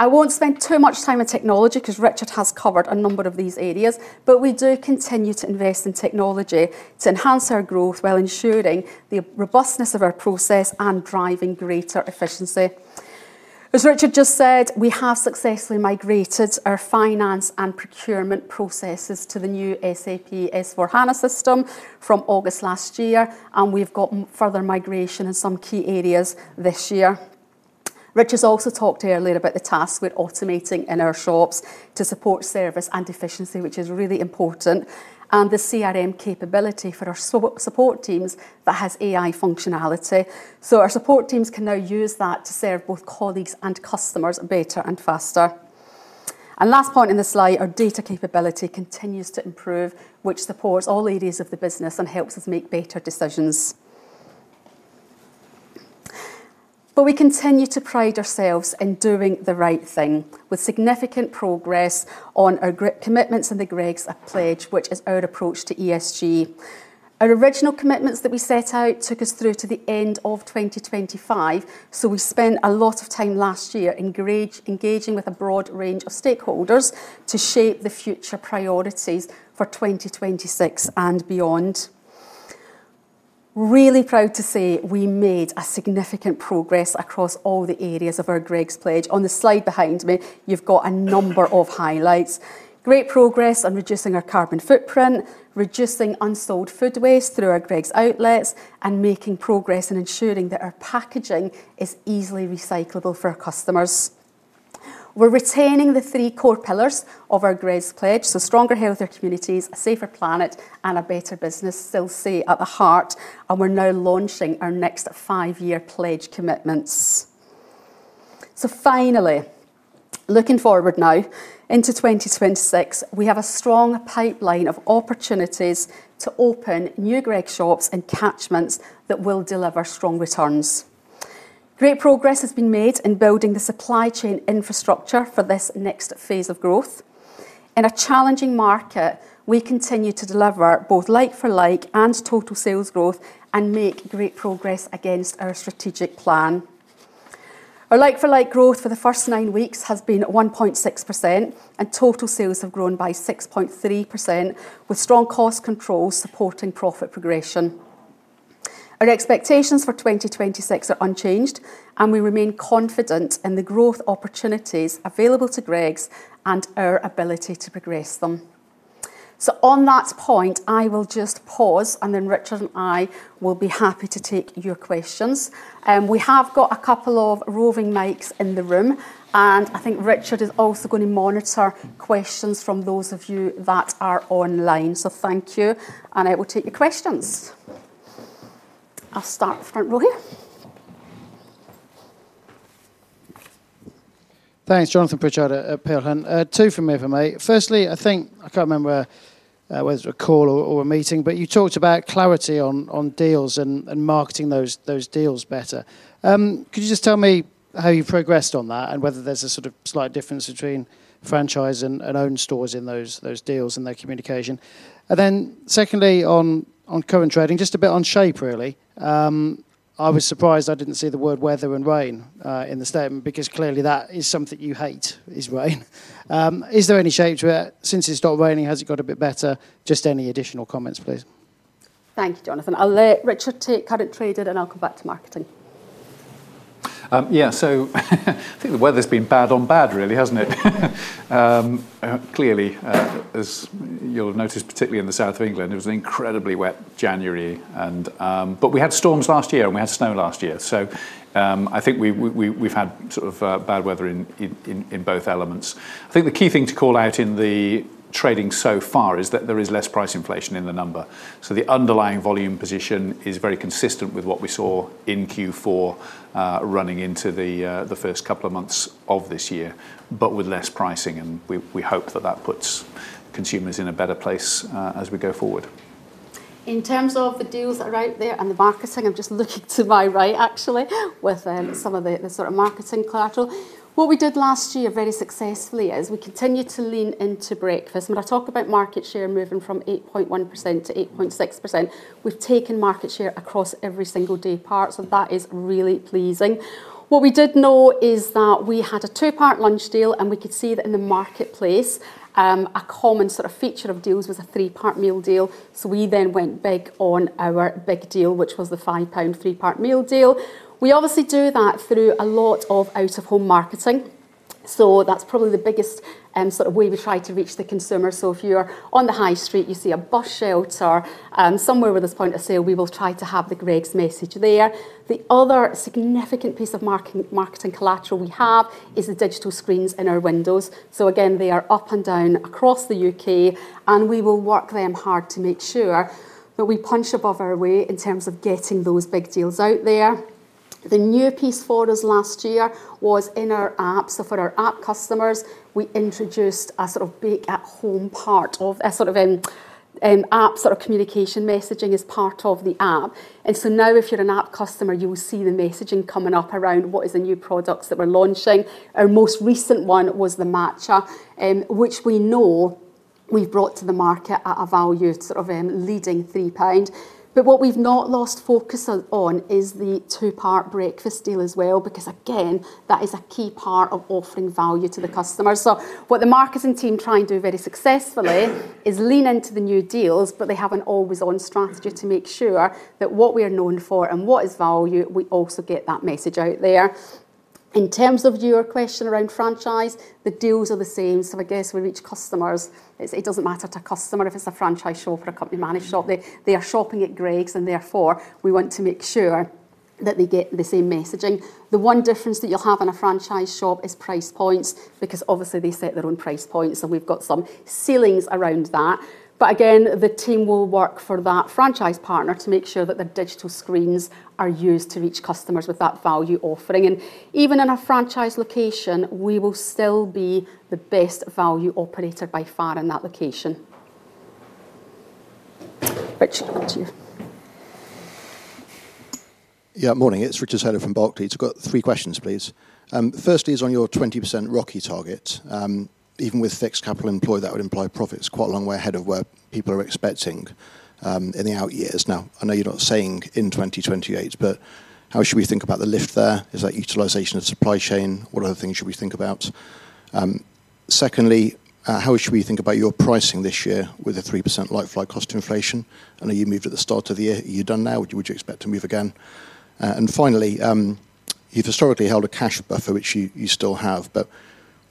I won't spend too much time on technology because Richard has covered a number of these areas, but we do continue to invest in technology to enhance our growth while ensuring the robustness of our process and driving greater efficiency. As Richard just said, we have successfully migrated our finance and procurement processes to the new SAP S/4HANA system from August last year. We've got further migration in some key areas this year. Richard's also talked earlier about the tasks we're automating in our shops to support service and efficiency, which is really important, and the CRM capability for our support teams that has AI functionality. Our support teams can now use that to serve both colleagues and customers better and faster. Last point in the slide, our data capability continues to improve, which supports all areas of the business and helps us make better decisions. We continue to pride ourselves in doing the right thing with significant progress on our commitments in The Greggs Pledge, which is our approach to ESG. Our original commitments that we set out took us through to the end of 2025, we spent a lot of time last year engaging with a broad range of stakeholders to shape the future priorities for 2026 and beyond. Really proud to say we made significant progress across all the areas of our Greggs Pledge. On the slide behind me, you've got a number of highlights. Great progress on reducing our carbon footprint, reducing unsold food waste through our Greggs outlets, and making progress in ensuring that our packaging is easily recyclable for our customers. We're retaining the three core pillars of our Greggs Pledge, so stronger, healthier communities, a safer planet, and a better business still stay at the heart, and we're now launching our next five-year pledge commitments. Finally, looking forward now into 2026, we have a strong pipeline of opportunities to open new Greggs shops and catchments that will deliver strong returns. Great progress has been made in building the supply chain infrastructure for this next phase of growth. In a challenging market, we continue to deliver both like-for-like and total sales growth and make great progress against our strategic plan. Our like-for-like growth for the first nine weeks has been 1.6%, and total sales have grown by 6.3%, with strong cost control supporting profit progression. Our expectations for 2026 are unchanged, and we remain confident in the growth opportunities available to Greggs and our ability to progress them. On that point, I will just pause, and then Richard and I will be happy to take your questions. We have got a couple of roving mics in the room, and I think Richard is also going to monitor questions from those of you that are online. Thank you, and I will take your questions. I'll start front row here. Thanks. Jonathan Pritchard at Peel Hunt. Two from me if I may. Firstly, I think, I can't remember, whether it was a call or a meeting, but you talked about clarity on deals and marketing those deals better. Could you just tell me how you progressed on that and whether there's a sort of slight difference between franchise and own stores in those deals and their communication? Secondly, on current trading, just a bit on shape really, I was surprised I didn't see the word weather and rain in the statement because clearly that is something you hate, is rain. Is there any shape to it? Since it's stopped raining, has it got a bit better? Just any additional comments, please. Thank you, Jonathan. I'll let Richard take current trading, and I'll come back to marketing. Yeah. I think the weather's been bad on bad really, hasn't it? Clearly, as you'll have noticed, particularly in the south of England, it was an incredibly wet January. We had storms last year, and we had snow last year. I think we've had sort of bad weather in both elements. I think the key thing to call out in the trading so far is that there is less price inflation in the number. The underlying volume position is very consistent with what we saw in Q4, running into the first couple of months of this year, but with less pricing, and we hope that that puts consumers in a better place as we go forward. In terms of the deals that are out there and the marketing, I'm just looking to my right actually with some of the sort of marketing collateral. What we did last year very successfully is we continued to lean into breakfast. When I talk about market share moving from 8.1% to 8.6%, we've taken market share across every single day part, so that is really pleasing. What we did know is we had a two part lunch deal, and we could see that in the marketplace, a common sort of feature of deals was a three part meal deal. We then went big on our The Big Deal, which was the 5 pound three part meal deal. We obviously do that through a lot of out-of-home marketing. That's probably the biggest sort of way we try to reach the consumer. If you are on the high street, you see a bus shelter, somewhere with a point of sale, we will try to have the Greggs message there. The other significant piece of marketing collateral we have is the digital screens in our windows. Again, they are up and down across the U.K., and we will work them hard to make sure that we punch above our weight in terms of getting those The Big Deals out there. The new piece for us last year was in our App. For our App customers, we introduced a sort of bake at home. A sort of App sort of communication messaging as part of the App. Now if you're an App customer, you will see the messaging coming up around what is the new products that we're launching. Our most recent one was the Matcha, which we know we've brought to the market at a value sort of, leading 3 pound. What we've not lost focus on is the two part breakfast deal as well because, again, that is a key part of offering value to the customer. What the marketing team try and do very successfully is lean into the new deals, but they have an always-on strategy to make sure that what we are known for and what is value, we also get that message out there. In terms of your question around franchise, the deals are the same. I guess we reach customers. It doesn't matter to a customer if it's a franchise shop or a company managed shop. They are shopping at Greggs, and therefore, we want to make sure that they get the same messaging. The one difference that you'll have in a franchise shop is price points because obviously they set their own price points, and we've got some ceilings around that. Again, the team will work for that franchise partner to make sure that the digital screens are used to reach customers with that value offering. Even in a franchise location, we will still be the best value operator by far in that location. Richard, over to you. Yeah. Morning. It's Richard Taylor from Barclays. I've got three questions, please. firstly is on your 20% ROCE target. Even with fixed capital employed, that would imply profit's quite a long way ahead of where people are expecting in the out years. I know you're not saying in 2028, but how should we think about the lift there? Is that utilization of supply chain? What other things should we think about? Secondly, how should we think about your pricing this year with a 3% like-for-like cost inflation? I know you moved at the start of the year. Are you done now? Would you expect to move again? Finally, you've historically held a cash buffer, which you still have, but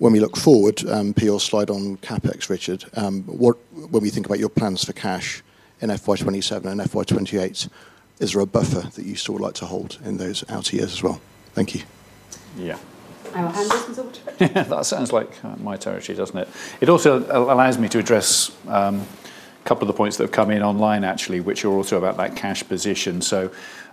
when we look forward, P or slide on CapEx, Richard, when we think about your plans for cash in FY 2027 and FY 2028, is there a buffer that you still would like to hold in those out years as well? Thank you. Yeah. I will hand over to Richard. That sounds like my territory, doesn't it? It also allows me to address couple of the points that have come in online actually, which are also about that cash position.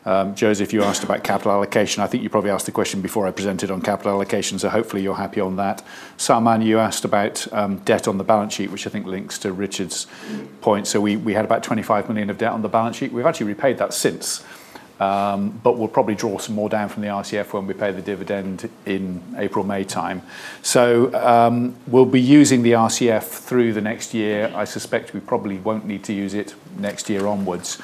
Jose, if you asked about capital allocation, I think you probably asked the question before I presented on capital allocation, so hopefully you're happy on that. Salman, you asked about debt on the balance sheet, which I think links to Richard's point. We had about 25 million of debt on the balance sheet. We've actually repaid that since. But we'll probably draw some more down from the RCF when we pay the dividend in April-May time. We'll be using the RCF through the next year. I suspect we probably won't need to use it next year onwards.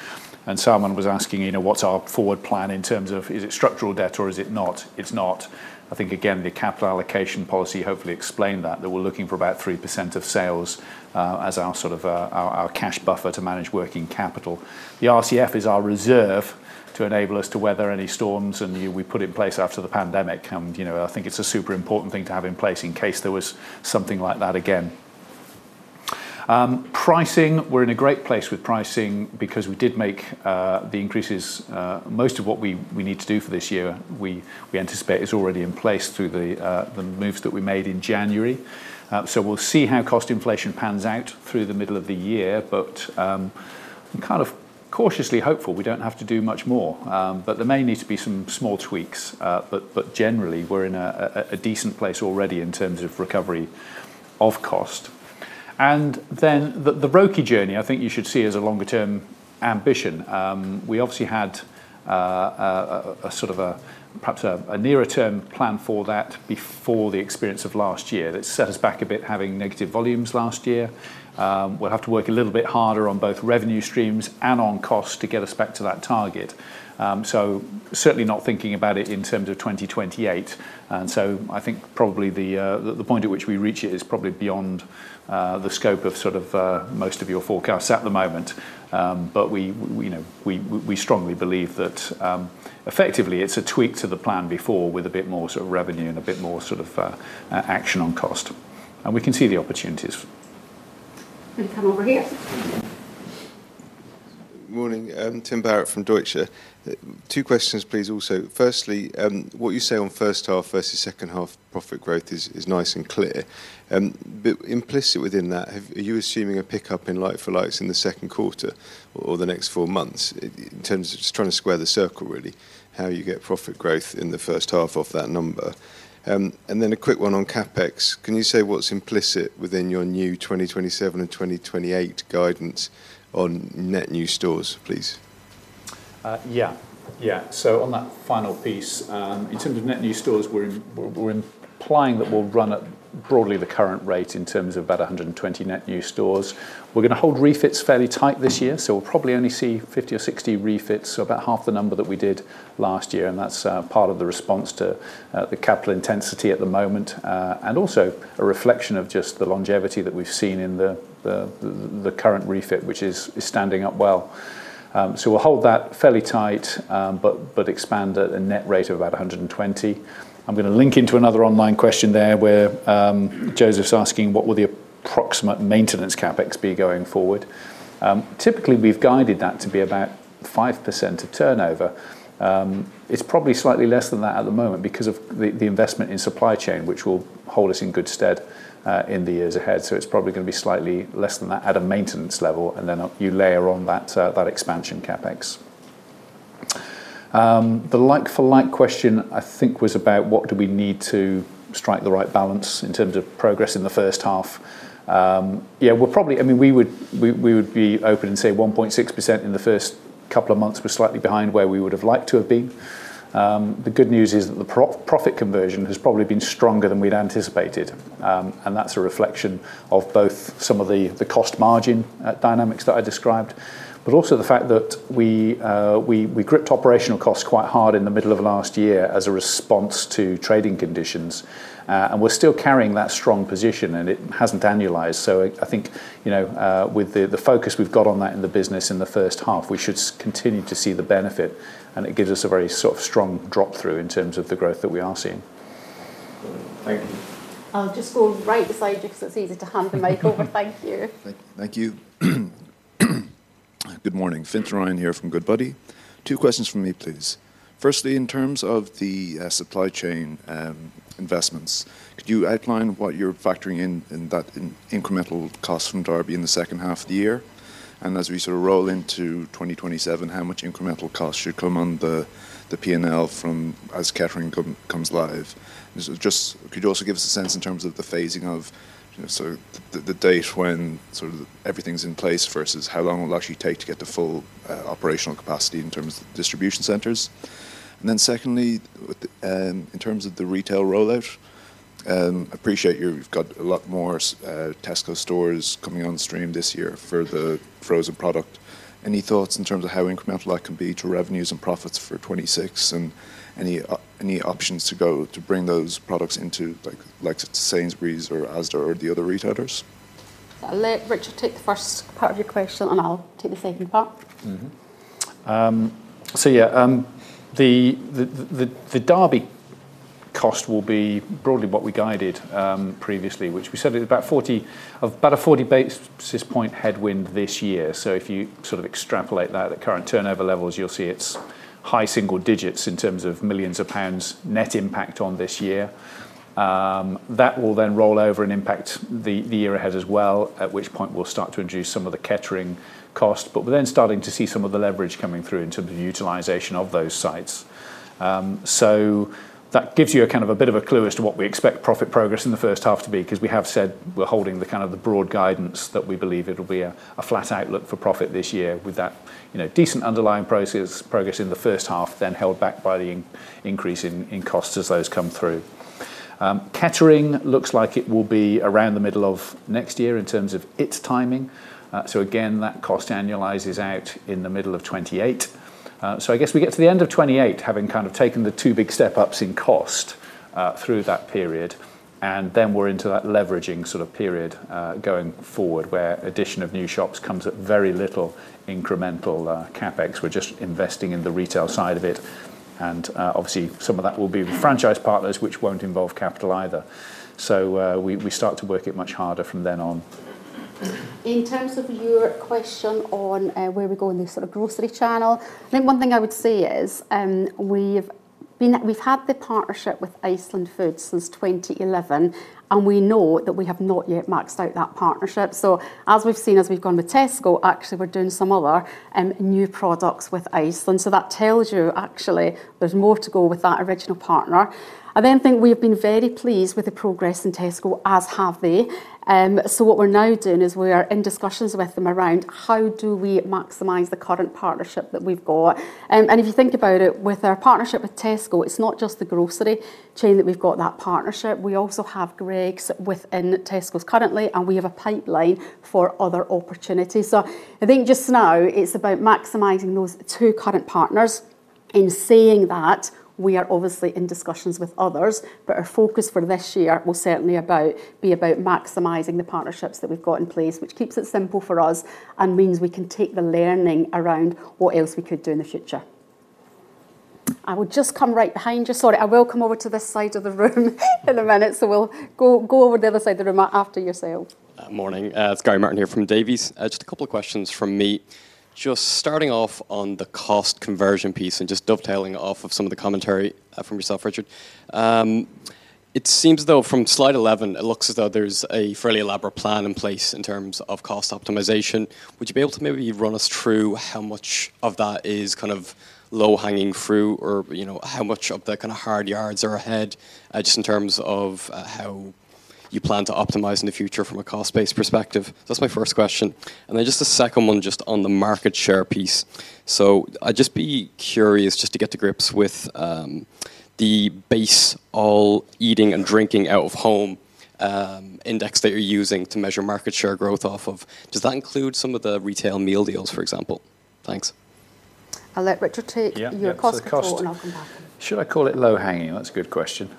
Salman was asking, you know, what's our forward plan in terms of is it structural debt or is it not? It's not. I think again, the capital allocation policy hopefully explained that we're looking for about 3% of sales as our sort of our cash buffer to manage working capital. The RCF is our reserve to enable us to weather any storms. We put in place after the pandemic. You know, I think it's a super important thing to have in place in case there was something like that again. Pricing, we're in a great place with pricing because we did make the increases. Most of what we need to do for this year, we anticipate is already in place through the moves that we made in January. We'll see how cost inflation pans out through the middle of the year. I'm kind of cautiously hopeful we don't have to do much more. There may need to be some small tweaks. Generally, we're in a decent place already in terms of recovery of cost. The Brokey journey, I think you should see as a longer term ambition. We obviously had a sort of a perhaps a nearer term plan for that before the experience of last year. That set us back a bit, having negative volumes last year. We'll have to work a little bit harder on both revenue streams and on cost to get us back to that target. Certainly not thinking about it in terms of 2028. I think probably the point at which we reach it is probably beyond, the scope of sort of, most of your forecasts at the moment. But we, you know, we strongly believe that, effectively it's a tweak to the plan before with a bit more sort of revenue and a bit more sort of, action on cost. We can see the opportunities. Gonna come over here. Morning. Tim Barrett from Deutsche. Two questions, please, also. Firstly, what you say on first half versus second half profit growth is nice and clear. Implicit within that, are you assuming a pickup in like-for-likes in the Q2 or the next four months in terms of just trying to square the circle, really, how you get profit growth in the first half of that number? A quick one on CapEx. Can you say what's implicit within your new 2027 and 2028 guidance on net new stores, please? Yeah. Yeah. On that final piece, in terms of net new stores, we're implying that we'll run at broadly the current rate in terms of about 120 net new stores. We're gonna hold refits fairly tight this year, so we'll probably only see 50 or 60 refits, so about half the number that we did last year. That's part of the response to the capital intensity at the moment, and also a reflection of just the longevity that we've seen in the current refit, which is standing up well. We'll hold that fairly tight, but expand at a net rate of about 120. I'm gonna link into another online question there, where Joseph's asking, what will the approximate maintenance CapEx be going forward? Typically, we've guided that to be about 5% of turnover. It's probably slightly less than that at the moment because of the investment in supply chain, which will hold us in good stead in the years ahead. It's probably gonna be slightly less than that at a maintenance level, and then you layer on that expansion CapEx. The like-for-like question, I think, was about what do we need to strike the right balance in terms of progress in the first half? Yeah, I mean, we would be open and say 1.6% in the first couple of months. We're slightly behind where we would have liked to have been. The good news is that the pro-profit conversion has probably been stronger than we'd anticipated. That's a reflection of both some of the cost margin dynamics that I described, but also the fact that we gripped operational costs quite hard in the middle of last year as a response to trading conditions. We're still carrying that strong position, and it hasn't annualized. I think, you know, with the focus we've got on that in the business in the first half, we should continue to see the benefit, and it gives us a very sort of strong drop-through in terms of the growth that we are seeing. Thank you. I'll just go right beside you 'cause it's easy to hand the mic over. Thank you. Thank you. Good morning. Fintan Ryan here from Goodbody. Two questions from me, please. Firstly, in terms of the supply chain investments, could you outline what you're factoring in that incremental cost from Derby and Kettering in the second half of the year? And as we sort of roll into 2027, how much incremental cost should come on the P&L as Kettering comes live? Could you also give us a sense in terms of the phasing of, you know, sort of the date when sort of everything's in place versus how long it will actually take to get to full operational capacity in terms of distribution centers? And then secondly, in terms of the retail rollout, appreciate you've got a lot more Tesco stores coming on stream this year for the frozen product. Any thoughts in terms of how incremental that can be to revenues and profits for 2026 and any options to go to bring those products into like Sainsbury's or Asda or the other retailers? I'll let Richard take the first part of your question, and I'll take the second part. Yeah. The Derby cost will be broadly what we guided previously, which we said is about a 40 basis point headwind this year. If you sort of extrapolate that at current turnover levels, you'll see it's high single digits in terms of millions of GBP net impact on this year. That will then roll over and impact the year ahead as well, at which point we'll start to introduce some of the Kettering cost. We're then starting to see some of the leverage coming through in terms of utilization of those sites. That gives you a kind of a bit of a clue as to what we expect profit progress in the first half to be, because we have said we're holding the kind of the broad guidance that we believe it'll be a flat outlook for profit this year with that, you know, decent underlying progress in the first half, then held back by the increase in costs as those come through. Kettering looks like it will be around the middle of next year in terms of its timing. Again, that cost annualizes out in the middle of 2028. I guess we get to the end of 2028 having kind of taken the two big step-ups in cost through that period, and then we're into that leveraging sort of period going forward, where addition of new shops comes at very little incremental CapEx. We're just investing in the retail side of it and obviously some of that will be with franchise partners, which won't involve capital either. We, we start to work it much harder from then on. In terms of your question on where we go in the sort of grocery channel, I think one thing I would say is we've had the partnership with Iceland Foods since 2011. We know that we have not yet maxed out that partnership. As we've seen, as we've gone with Tesco, actually we're doing some other new products with Iceland. That tells you actually there's more to go with that original partner. I think we have been very pleased with the progress in Tesco, as have they. What we're now doing is we are in discussions with them around how do we maximize the current partnership that we've got. If you think about it, with our partnership with Tesco, it's not just the grocery chain that we've got that partnership. We also have Greggs within Tesco's currently, and we have a pipeline for other opportunities. I think just now it's about maximizing those two current partners. In saying that, we are obviously in discussions with others, but our focus for this year will certainly be about maximizing the partnerships that we've got in place, which keeps it simple for us and means we can take the learning around what else we could do in the future. I will just come right behind you. Sorry, I will come over to this side of the room in a minute. We'll go over the other side of the room. After you, Seyl. Morning. It's Gary Martin here from Davy. Just a couple of questions from me. Just starting off on the cost conversion piece and just dovetailing off of some of the commentary from yourself, Richard. It seems though from slide 11, it looks as though there's a fairly elaborate plan in place in terms of cost optimization. Would you be able to maybe run us through how much of that is kind of low-hanging fruit or, you know, how much of the kind of hard yards are ahead, just in terms of how you plan to optimize in the future from a cost base perspective? That's my first question. Just a second one just on the market share piece. I'd just be curious just to get to grips with the base all eating and drinking out-of-home index that you're using to measure market share growth off of. Does that include some of the retail meal deals, for example? Thanks. I'll let Richard. Yeah. Yeah ...your cost control, and I'll come back. The cost... Should I call it low hanging? That's a good question.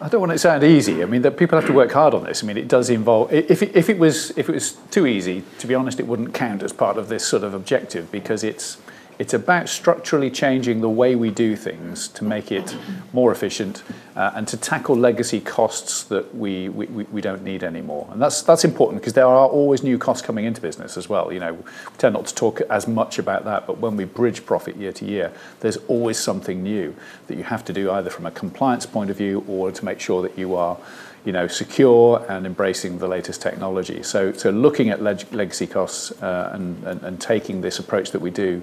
I don't want it to sound easy. I mean, the people have to work hard on this. I mean, it does involve... if it was too easy, to be honest, it wouldn't count as part of this sort of objective because it's about structurally changing the way we do things to make it more efficient, and to tackle legacy costs that we don't need anymore. That's, that's important 'cause there are always new costs coming into business as well. You know, we tend not to talk as much about that, but when we bridge profit year to year, there's always something new that you have to do either from a compliance point of view or to make sure that you are, you know, secure and embracing the latest technology. Looking at legacy costs, and taking this approach that we do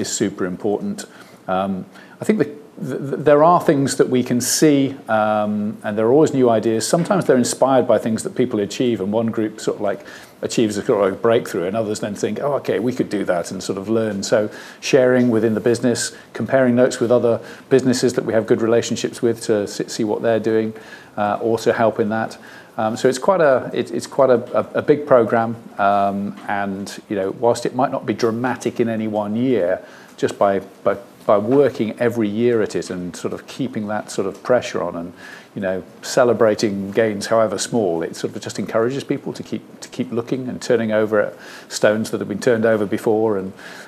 is super important. I think there are things that we can see, and there are always new ideas. Sometimes they're inspired by things that people achieve, and one group sort of like achieves a kind of breakthrough, and others then think, "Oh, okay, we could do that," and sort of learn. Sharing within the business, comparing notes with other businesses that we have good relationships with to see what they're doing, also help in that. It's quite a big program. You know, whilst it might not be dramatic in any one year, just by working every year at it and sort of keeping that sort of pressure on and, you know, celebrating gains however small, it sort of just encourages people to keep looking and turning over stones that have been turned over before.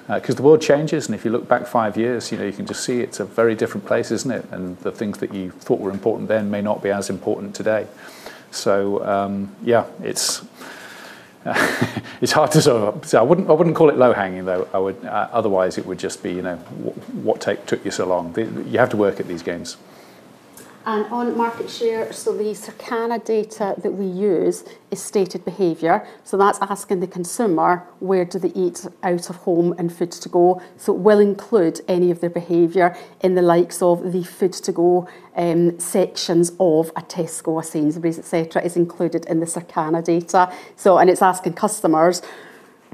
'cause the world changes, if you look back five years, you know, you can just see it's a very different place, isn't it? The things that you thought were important then may not be as important today. Yeah, it's hard to sort of... I wouldn't call it low hanging, though. Otherwise it would just be, you know, "took you so long?" You have to work at these games. On market share, the Circana data that we use is stated behavior. That's asking the consumer where do they eat out of home and food to go. It will include any of their behavior in the likes of the food to go sections of a Tesco, a Sainsbury's, et cetera, is included in the Circana data. It's asking customers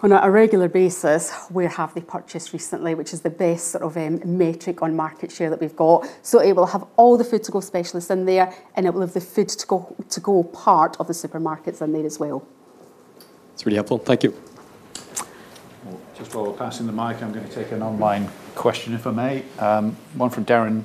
on a regular basis, where have they purchased recently, which is the best sort of metric on market share that we've got. It will have all the food to go specialists in there, and it will have the food to go part of the supermarkets in there as well. It's really helpful. Thank you. Before passing the mic, I'm gonna take an online question, if I may. One from Darren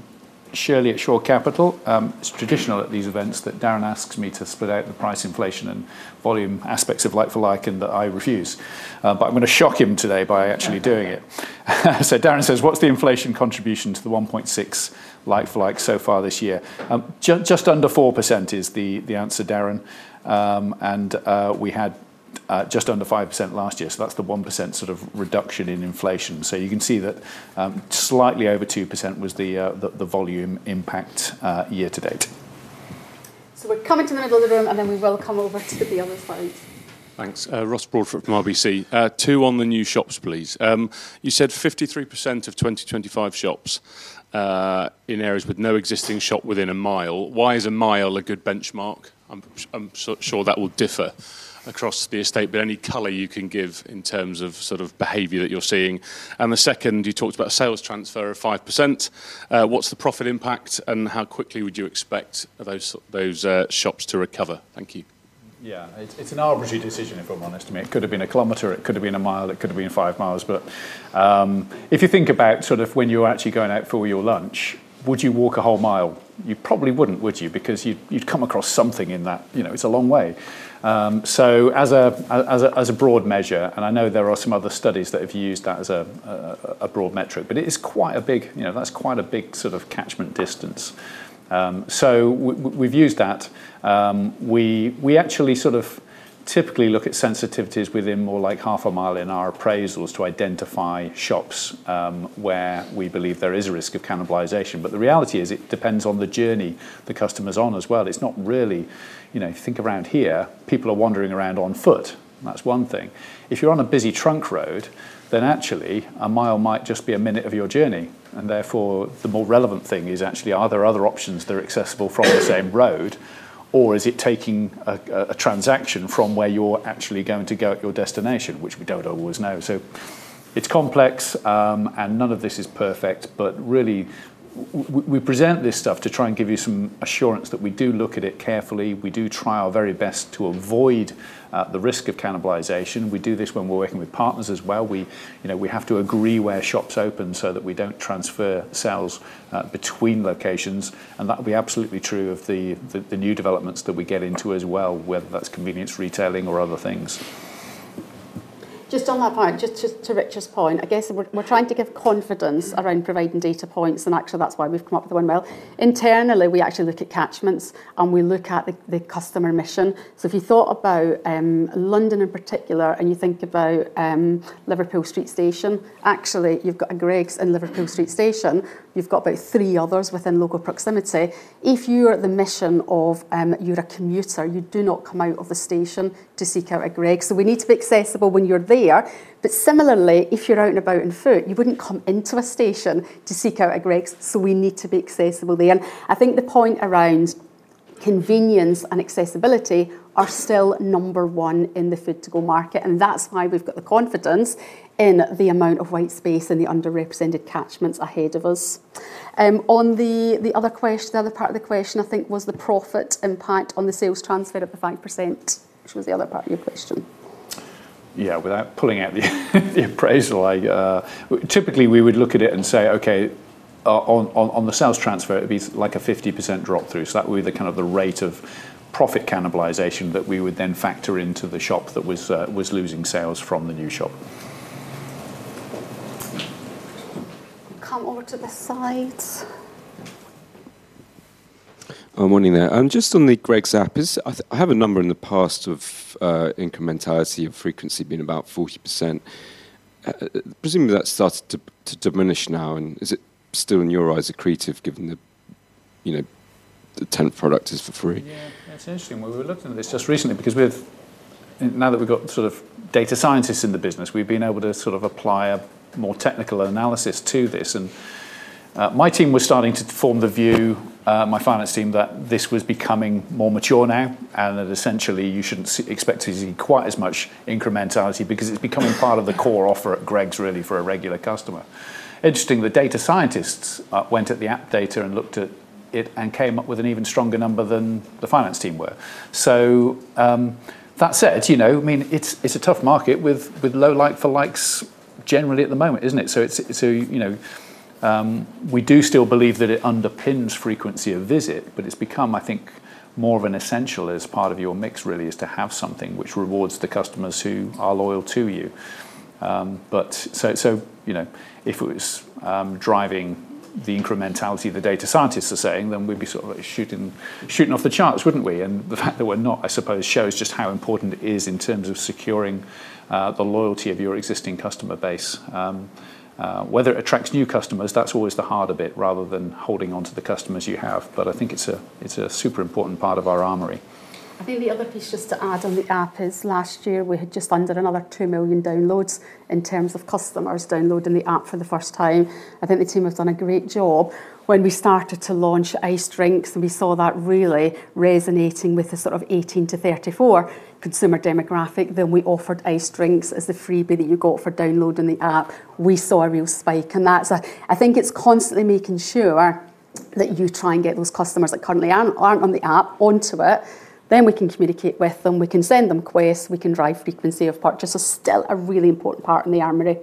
Shirley at Shore Capital. It's traditional at these events that Darren asks me to split out the price inflation and volume aspects of like-for-like, and that I refuse. I'm gonna shock him today by actually doing it. Darren says, "What's the inflation contribution to the 1.6 like-for-likes so far this year?" Just under 4% is the answer, Darren. We had just under 5% last year, so that's the 1% sort of reduction in inflation. You can see that slightly over 2% was the volume impact year to date. We're coming to the middle of the room, and then we will come over to the other side. Thanks. Ross Broadfoot from RBC. Two on the new shops, please. You said 53% of 2025 shops in areas with no existing shop within a mile. Why is a mile a good benchmark? I'm sure that will differ across the estate, but any color you can give in terms of sort of behavior that you're seeing. The second, you talked about a sales transfer of 5%. What's the profit impact, and how quickly would you expect those shops to recover? Thank you. Yeah. It's, it's an arbitrary decision, if I'm honest. I mean, it could have been a kilometer, it could have been a mile, it could have been five miles. If you think about sort of when you're actually going out for your lunch, would you walk a whole mile? You probably wouldn't, would you? Because you'd come across something in that... You know, it's a long way. As a, as a, as a broad measure, and I know there are some other studies that have used that as a broad metric, it is quite a big, you know, that's quite a big sort of catchment distance. We've used that. We actually sort of typically look at sensitivities within more like half a mile in our appraisals to identify shops where we believe there is a risk of cannibalization. The reality is, it depends on the journey the customer's on as well. It's not really. You know, if you think around here, people are wandering around on foot, and that's one thing. If you're on a busy trunk road, then actually one mile might just be one minute of your journey, and therefore, the more relevant thing is actually are there other options that are accessible from the same road or is it taking a transaction from where you're actually going to go at your destination, which we don't always know. It's complex, and none of this is perfect. Really, we present this stuff to try and give you some assurance that we do look at it carefully. We do try our very best to avoid the risk of cannibalization. We do this when we're working with partners as well. We, you know, we have to agree where shops open so that we don't transfer sales between locations, and that would be absolutely true of the new developments that we get into as well, whether that's convenience retailing or other things. Just on that point, just to Rich's point, I guess we're trying to give confidence around providing data points, and actually that's why we've come up with the one mile. Internally, we actually look at catchments, and we look at the customer mission. If you thought about London in particular and you think about Liverpool Street Station, actually you've got a Greggs in Liverpool Street Station. You've got about three others within local proximity. If you are at the mission of, you're a commuter, you do not come out of the station to seek out a Greggs. We need to be accessible when you're there. Similarly, if you're out and about on foot, you wouldn't come into a station to seek out a Greggs, so we need to be accessible there. I think the point around convenience and accessibility are still number one in the food to go market, and that's why we've got the confidence in the amount of white space and the underrepresented catchments ahead of us. On the other part of the question, I think was the profit impact on the sales transfer of the 5%, which was the other part of your question. Yeah. Without pulling out the appraisal, I. Typically, we would look at it and say, okay, on, on the sales transfer, it'd be like a 50% drop through. That would be the kind of the rate of profit cannibalization that we would then factor into the shop that was losing sales from the new shop. Come over to this side. Morning there. Just on the Greggs App. I have a number in the past of, incrementality of frequency being about 40%. Presumably that's started to diminish now, and is it still in your eyes accretive given the, you know, the 10th product is for free? Yeah. It's interesting. We were looking at this just recently because now that we've got sort of data scientists in the business, we've been able to sort of apply a more technical analysis to this. My team was starting to form the view, my finance team, that this was becoming more mature now and that essentially you shouldn't expect to see quite as much incrementality because it's becoming part of the core offer at Greggs really for a regular customer. Interesting, the data scientists went at the app data and looked at it and came up with an even stronger number than the finance team were. That said, you know, I mean, it's a tough market with low like-for-likes generally at the moment, isn't it? It's, you know, we do still believe that it underpins frequency of visit, but it's become I think more of an essential as part of your mix really, is to have something which rewards the customers who are loyal to you. You know, if it was driving the incrementality the data scientists are saying, then we'd be sort of shooting off the charts, wouldn't we? The fact that we're not, I suppose, shows just how important it is in terms of securing the loyalty of your existing customer base. Whether it attracts new customers, that's always the harder bit rather than holding on to the customers you have. I think it's a, it's a super important part of our armory. I think the other piece just to add on the app is last year we had just under another two million downloads in terms of customers downloading the app for the first time. I think the team have done a great job. When we started to launch iced drinks and we saw that really resonating with the sort of 18-34 consumer demographic, we offered iced drinks as the freebie that you got for downloading the app. We saw a real spike. That's I think it's constantly making sure that you try and get those customers that currently aren't on the app onto it, we can communicate with them, we can send them quests, we can drive frequency of purchase. Still a really important part in the armory.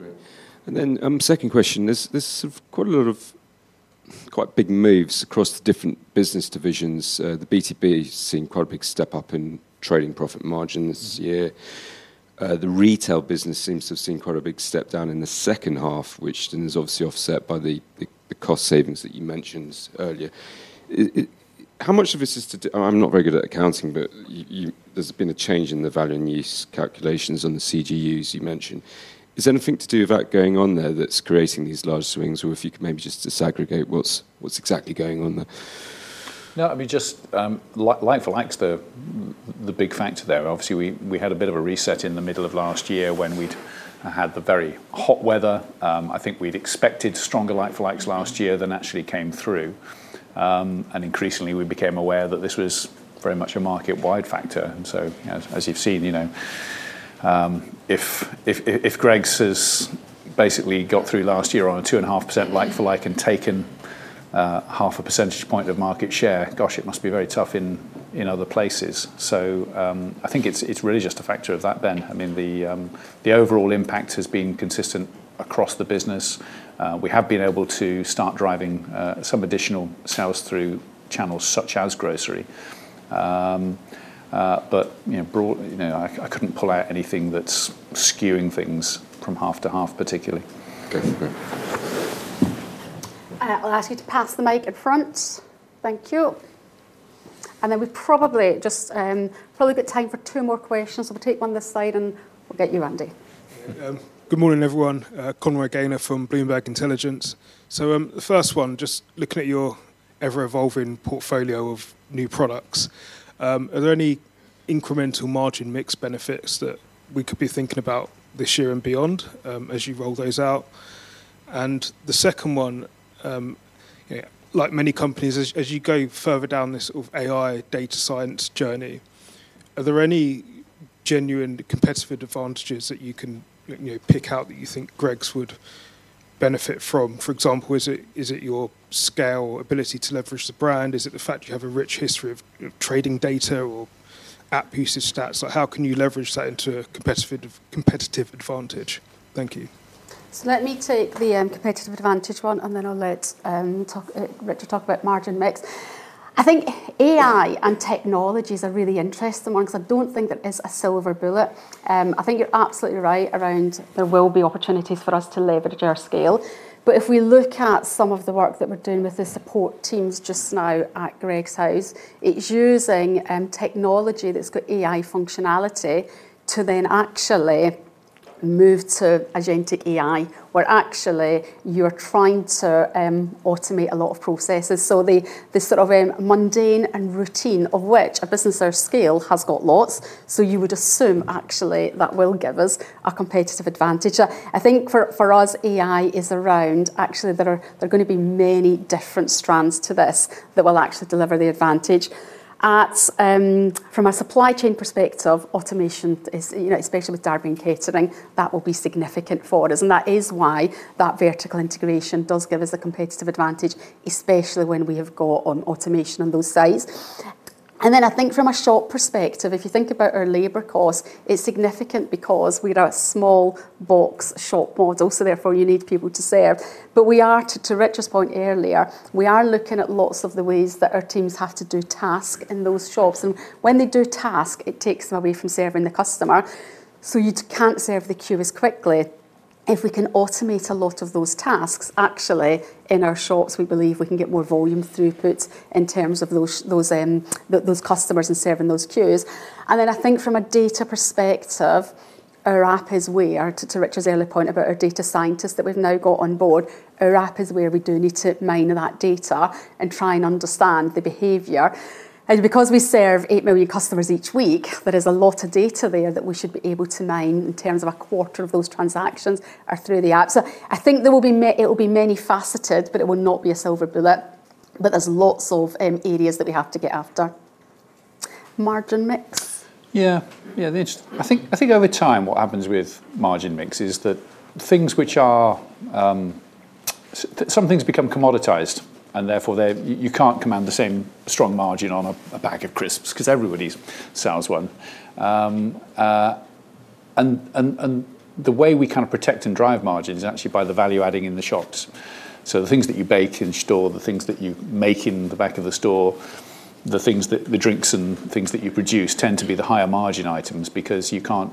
Right. Great. Second question. There's sort of quite a lot of quite big moves across the different business divisions. The B2B has seen quite a big step up in trading profit margin this year. The retail business seems to have seen quite a big step down in the second half, which then is obviously offset by the cost savings that you mentioned earlier. how much of this is to do... I'm not very good at accounting, but there's been a change in the value and use calculations on the CGUs you mentioned. Is there anything to do with that going on there that's creating these large swings? Or if you could maybe just disaggregate what's exactly going on there? I mean, just like-for-like the big factor there. Obviously, we had a bit of a reset in the middle of last year when we'd had the very hot weather. I think we'd expected stronger like-for-like last year than actually came through. Increasingly, we became aware that this was very much a market-wide factor. As you've seen, you know, if Greggs has basically got through last year on a 2.5% like-for-like and taken half a percentage point of market share, gosh, it must be very tough in other places. I think it's really just a factor of that then. I mean, the overall impact has been consistent across the business. We have been able to start driving, some additional sales through channels such as grocery. You know, I couldn't pull out anything that's skewing things from half to half, particularly. Okay. Great. I'll ask you to pass the mic in front. Thank you. Then we've probably just got time for two more questions. We'll take one this side, and we'll get you, Andy. Good morning, everyone. Conor Gainer from Bloomberg Intelligence. The first one, just looking at your ever-evolving portfolio of new products, are there any incremental margin mix benefits that we could be thinking about this year and beyond as you roll those out? The second one, like many companies, as you go further down this sort of AI data science journey, are there any genuine competitive advantages that you can, you know, pick out that you think Greggs would benefit from? For example, is it your scale ability to leverage the brand? Is it the fact you have a rich history of, you know, trading data or app usage stats? How can you leverage that into a competitive advantage? Thank you. Let me take the competitive advantage one, and then I'll let Richard talk about margin mix. I think AI and technology is a really interesting one because I don't think there is a silver bullet. I think you're absolutely right around there will be opportunities for us to leverage our scale. If we look at some of the work that we're doing with the support teams just now at Greggs House, it's using technology that's got AI functionality to then actually move to agentic AI, where actually you're trying to automate a lot of processes. The, the sort of, mundane and routine of which a business of our scale has got lots. You would assume actually that will give us a competitive advantage. I think for us, AI is around. Actually, there are gonna be many different strands to this that will actually deliver the advantage. From a supply chain perspective, automation is, you know, especially with Derby and Kettering, that will be significant for us, and that is why that vertical integration does give us a competitive advantage, especially when we have got automation on those sites. I think from a shop perspective, if you think about our labor cost, it's significant because we are a small box shop model, so therefore you need people to serve. We are to Richard's point earlier, we are looking at lots of the ways that our teams have to do task in those shops. When they do task, it takes them away from serving the customer, so you can't serve the queue as quickly. If we can automate a lot of those tasks, actually, in our shops, we believe we can get more volume throughput in terms of those customers and serving those queues. I think from a data perspective, our app is where, to Richard's earlier point about our data scientists that we've now got on board, our app is where we do need to mine that data and try and understand the behavior. Because we serve eight million customers each week, there is a lot of data there that we should be able to mine in terms of a quarter of those transactions are through the app. I think it will be many faceted, but it will not be a silver bullet. There's lots of areas that we have to get after. Margin mix. Yeah. Yeah. I think over time, what happens with margin mix is that things which are some things become commoditized, and therefore, you can't command the same strong margin on a bag of crisps 'cause everybody's sells one. The way we kind of protect and drive margin is actually by the value-adding in the shops. The things that you bake in store, the things that you make in the back of the store, the drinks and things that you produce tend to be the higher margin items because you can't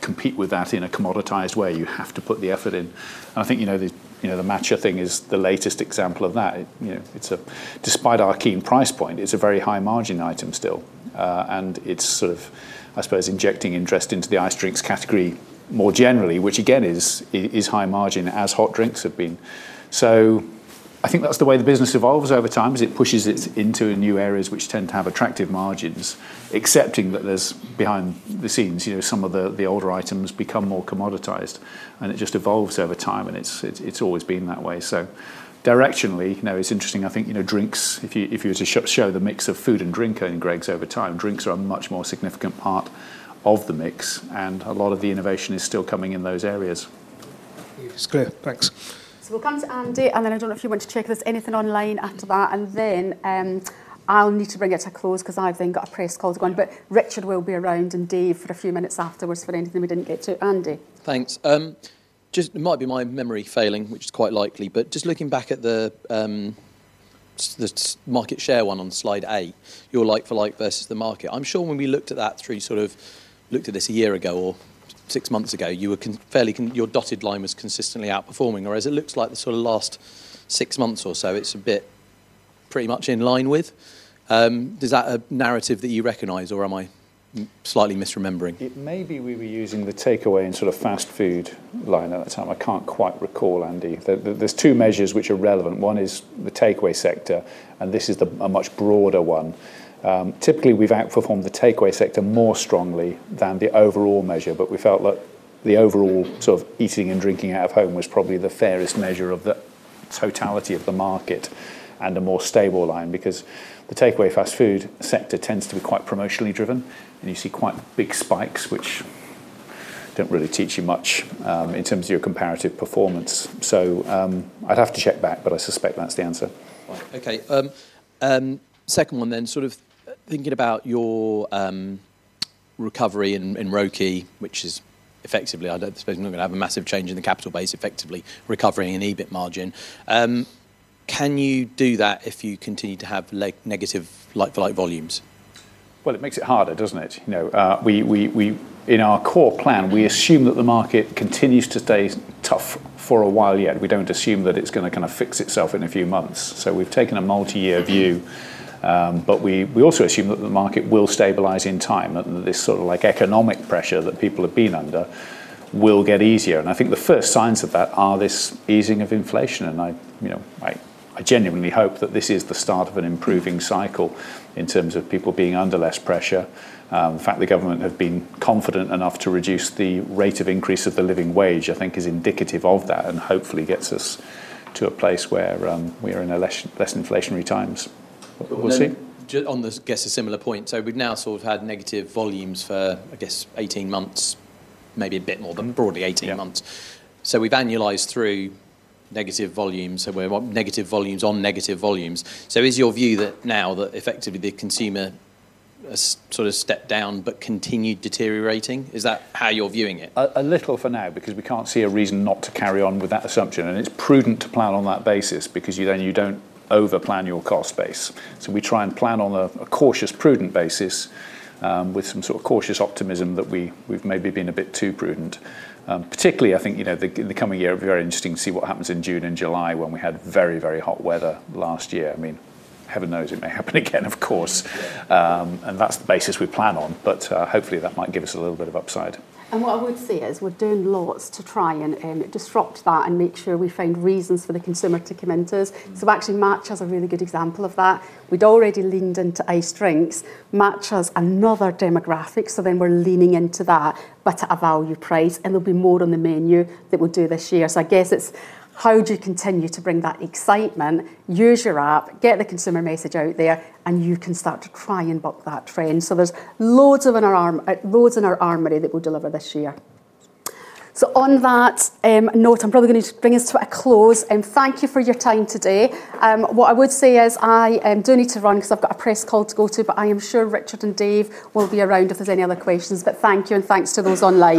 compete with that in a commoditized way. You have to put the effort in. I think, you know, the, you know, the Matcha thing is the latest example of that. It, you know, it's a... Despite our keen price point, it's a very high margin item still. It's sort of, I suppose, injecting interest into the iced drinks category more generally, which again, is high margin as hot drinks have been. I think that's the way the business evolves over time, is it pushes it into new areas which tend to have attractive margins, excepting that there's behind the scenes, you know, some of the older items become more commoditized, and it just evolves over time, and it's always been that way. Directionally, you know, it's interesting. I think, you know, drinks, if you were to show the mix of food and drink in Greggs over time, drinks are a much more significant part of the mix, and a lot of the innovation is still coming in those areas. It's clear. Thanks. We'll come to Andy, and then I don't know if you want to check if there's anything online after that, and then, I'll need to bring it to a close 'cause I've then got a press call to go on. Richard will be around, and Dave, for a few minutes afterwards for anything we didn't get to. Andy? Thanks. Just it might be my memory failing, which is quite likely, but just looking back at the market share one on Slide A, your like-for-like versus the market. I'm sure when we looked at that looked at this a year ago or six months ago, your dotted line was consistently outperforming, whereas it looks like the sort of last six months or so it's a bit pretty much in line with. Is that a narrative that you recognize, or am I slightly misremembering? It may be we were using the takeaway and sort of fast food line at that time. I can't quite recall, Andy. There's two measures which are relevant. One is the takeaway sector, and this is a much broader one. Typically, we've outperformed the takeaway sector more strongly than the overall measure, but we felt like the overall sort of eating and drinking out of home was probably the fairest measure of the totality of the market and a more stable line because the takeaway fast food sector tends to be quite promotionally driven, and you see quite big spikes which don't really teach you much in terms of your comparative performance. So, I'd have to check back, but I suspect that's the answer. Okay. Second one then, sort of thinking about your recovery in ROCE, which is effectively, I don't suppose you're not gonna have a massive change in the capital base, effectively recovering an EBIT margin. Can you do that if you continue to have negative like-for-like volumes? It makes it harder, doesn't it? You know, in our core plan, we assume that the market continues to stay tough for a while yet. We don't assume that it's gonna kind of fix itself in a few months, so we've taken a multi-year view. We also assume that the market will stabilize in time, that this sort of like economic pressure that people have been under will get easier. I think the first signs of that are this easing of inflation, and I, you know, I genuinely hope that this is the start of an improving cycle in terms of people being under less pressure. The fact the government have been confident enough to reduce the rate of increase of the Living Wage, I think is indicative of that and hopefully gets us to a place where we are in a less, less inflationary times. We'll see. Just on this, I guess a similar point. We've now sort of had negative volumes for, I guess, 18 months, maybe a bit more than broadly 18 months. Yeah. We've annualized through negative volumes, so we're negative volumes on negative volumes. Is your view that now that effectively the consumer has sort of stepped down but continued deteriorating? Is that how you're viewing it? A little for now because we can't see a reason not to carry on with that assumption. It's prudent to plan on that basis because you then you don't over-plan your cost base. We try and plan on a cautious, prudent basis, with some sort of cautious optimism that we've maybe been a bit too prudent. Particularly I think, you know, the coming year will be very interesting to see what happens in June and July when we had very, very hot weather last year. I mean, heaven knows it may happen again, of course. That's the basis we plan on. Hopefully that might give us a little bit of upside. What I would say is we're doing lots to try and disrupt that and make sure we find reasons for the consumer to come into us. Actually, Matcha is a really good example of that. We'd already leaned into iced drinks. Matcha is another demographic, we're leaning into that but at a value price, and there'll be more on the menu that we'll do this year. I guess it's how do you continue to bring that excitement, use your app, get the consumer message out there, and you can start to try and buck that trend. There's loads in our armory that we'll deliver this year. On that note, I'm probably going to bring us to a close. Thank you for your time today. What I would say is I do need to run 'cause I've got a press call to go to. I am sure Richard and Dave will be around if there's any other questions. Thank you, and thanks to those online.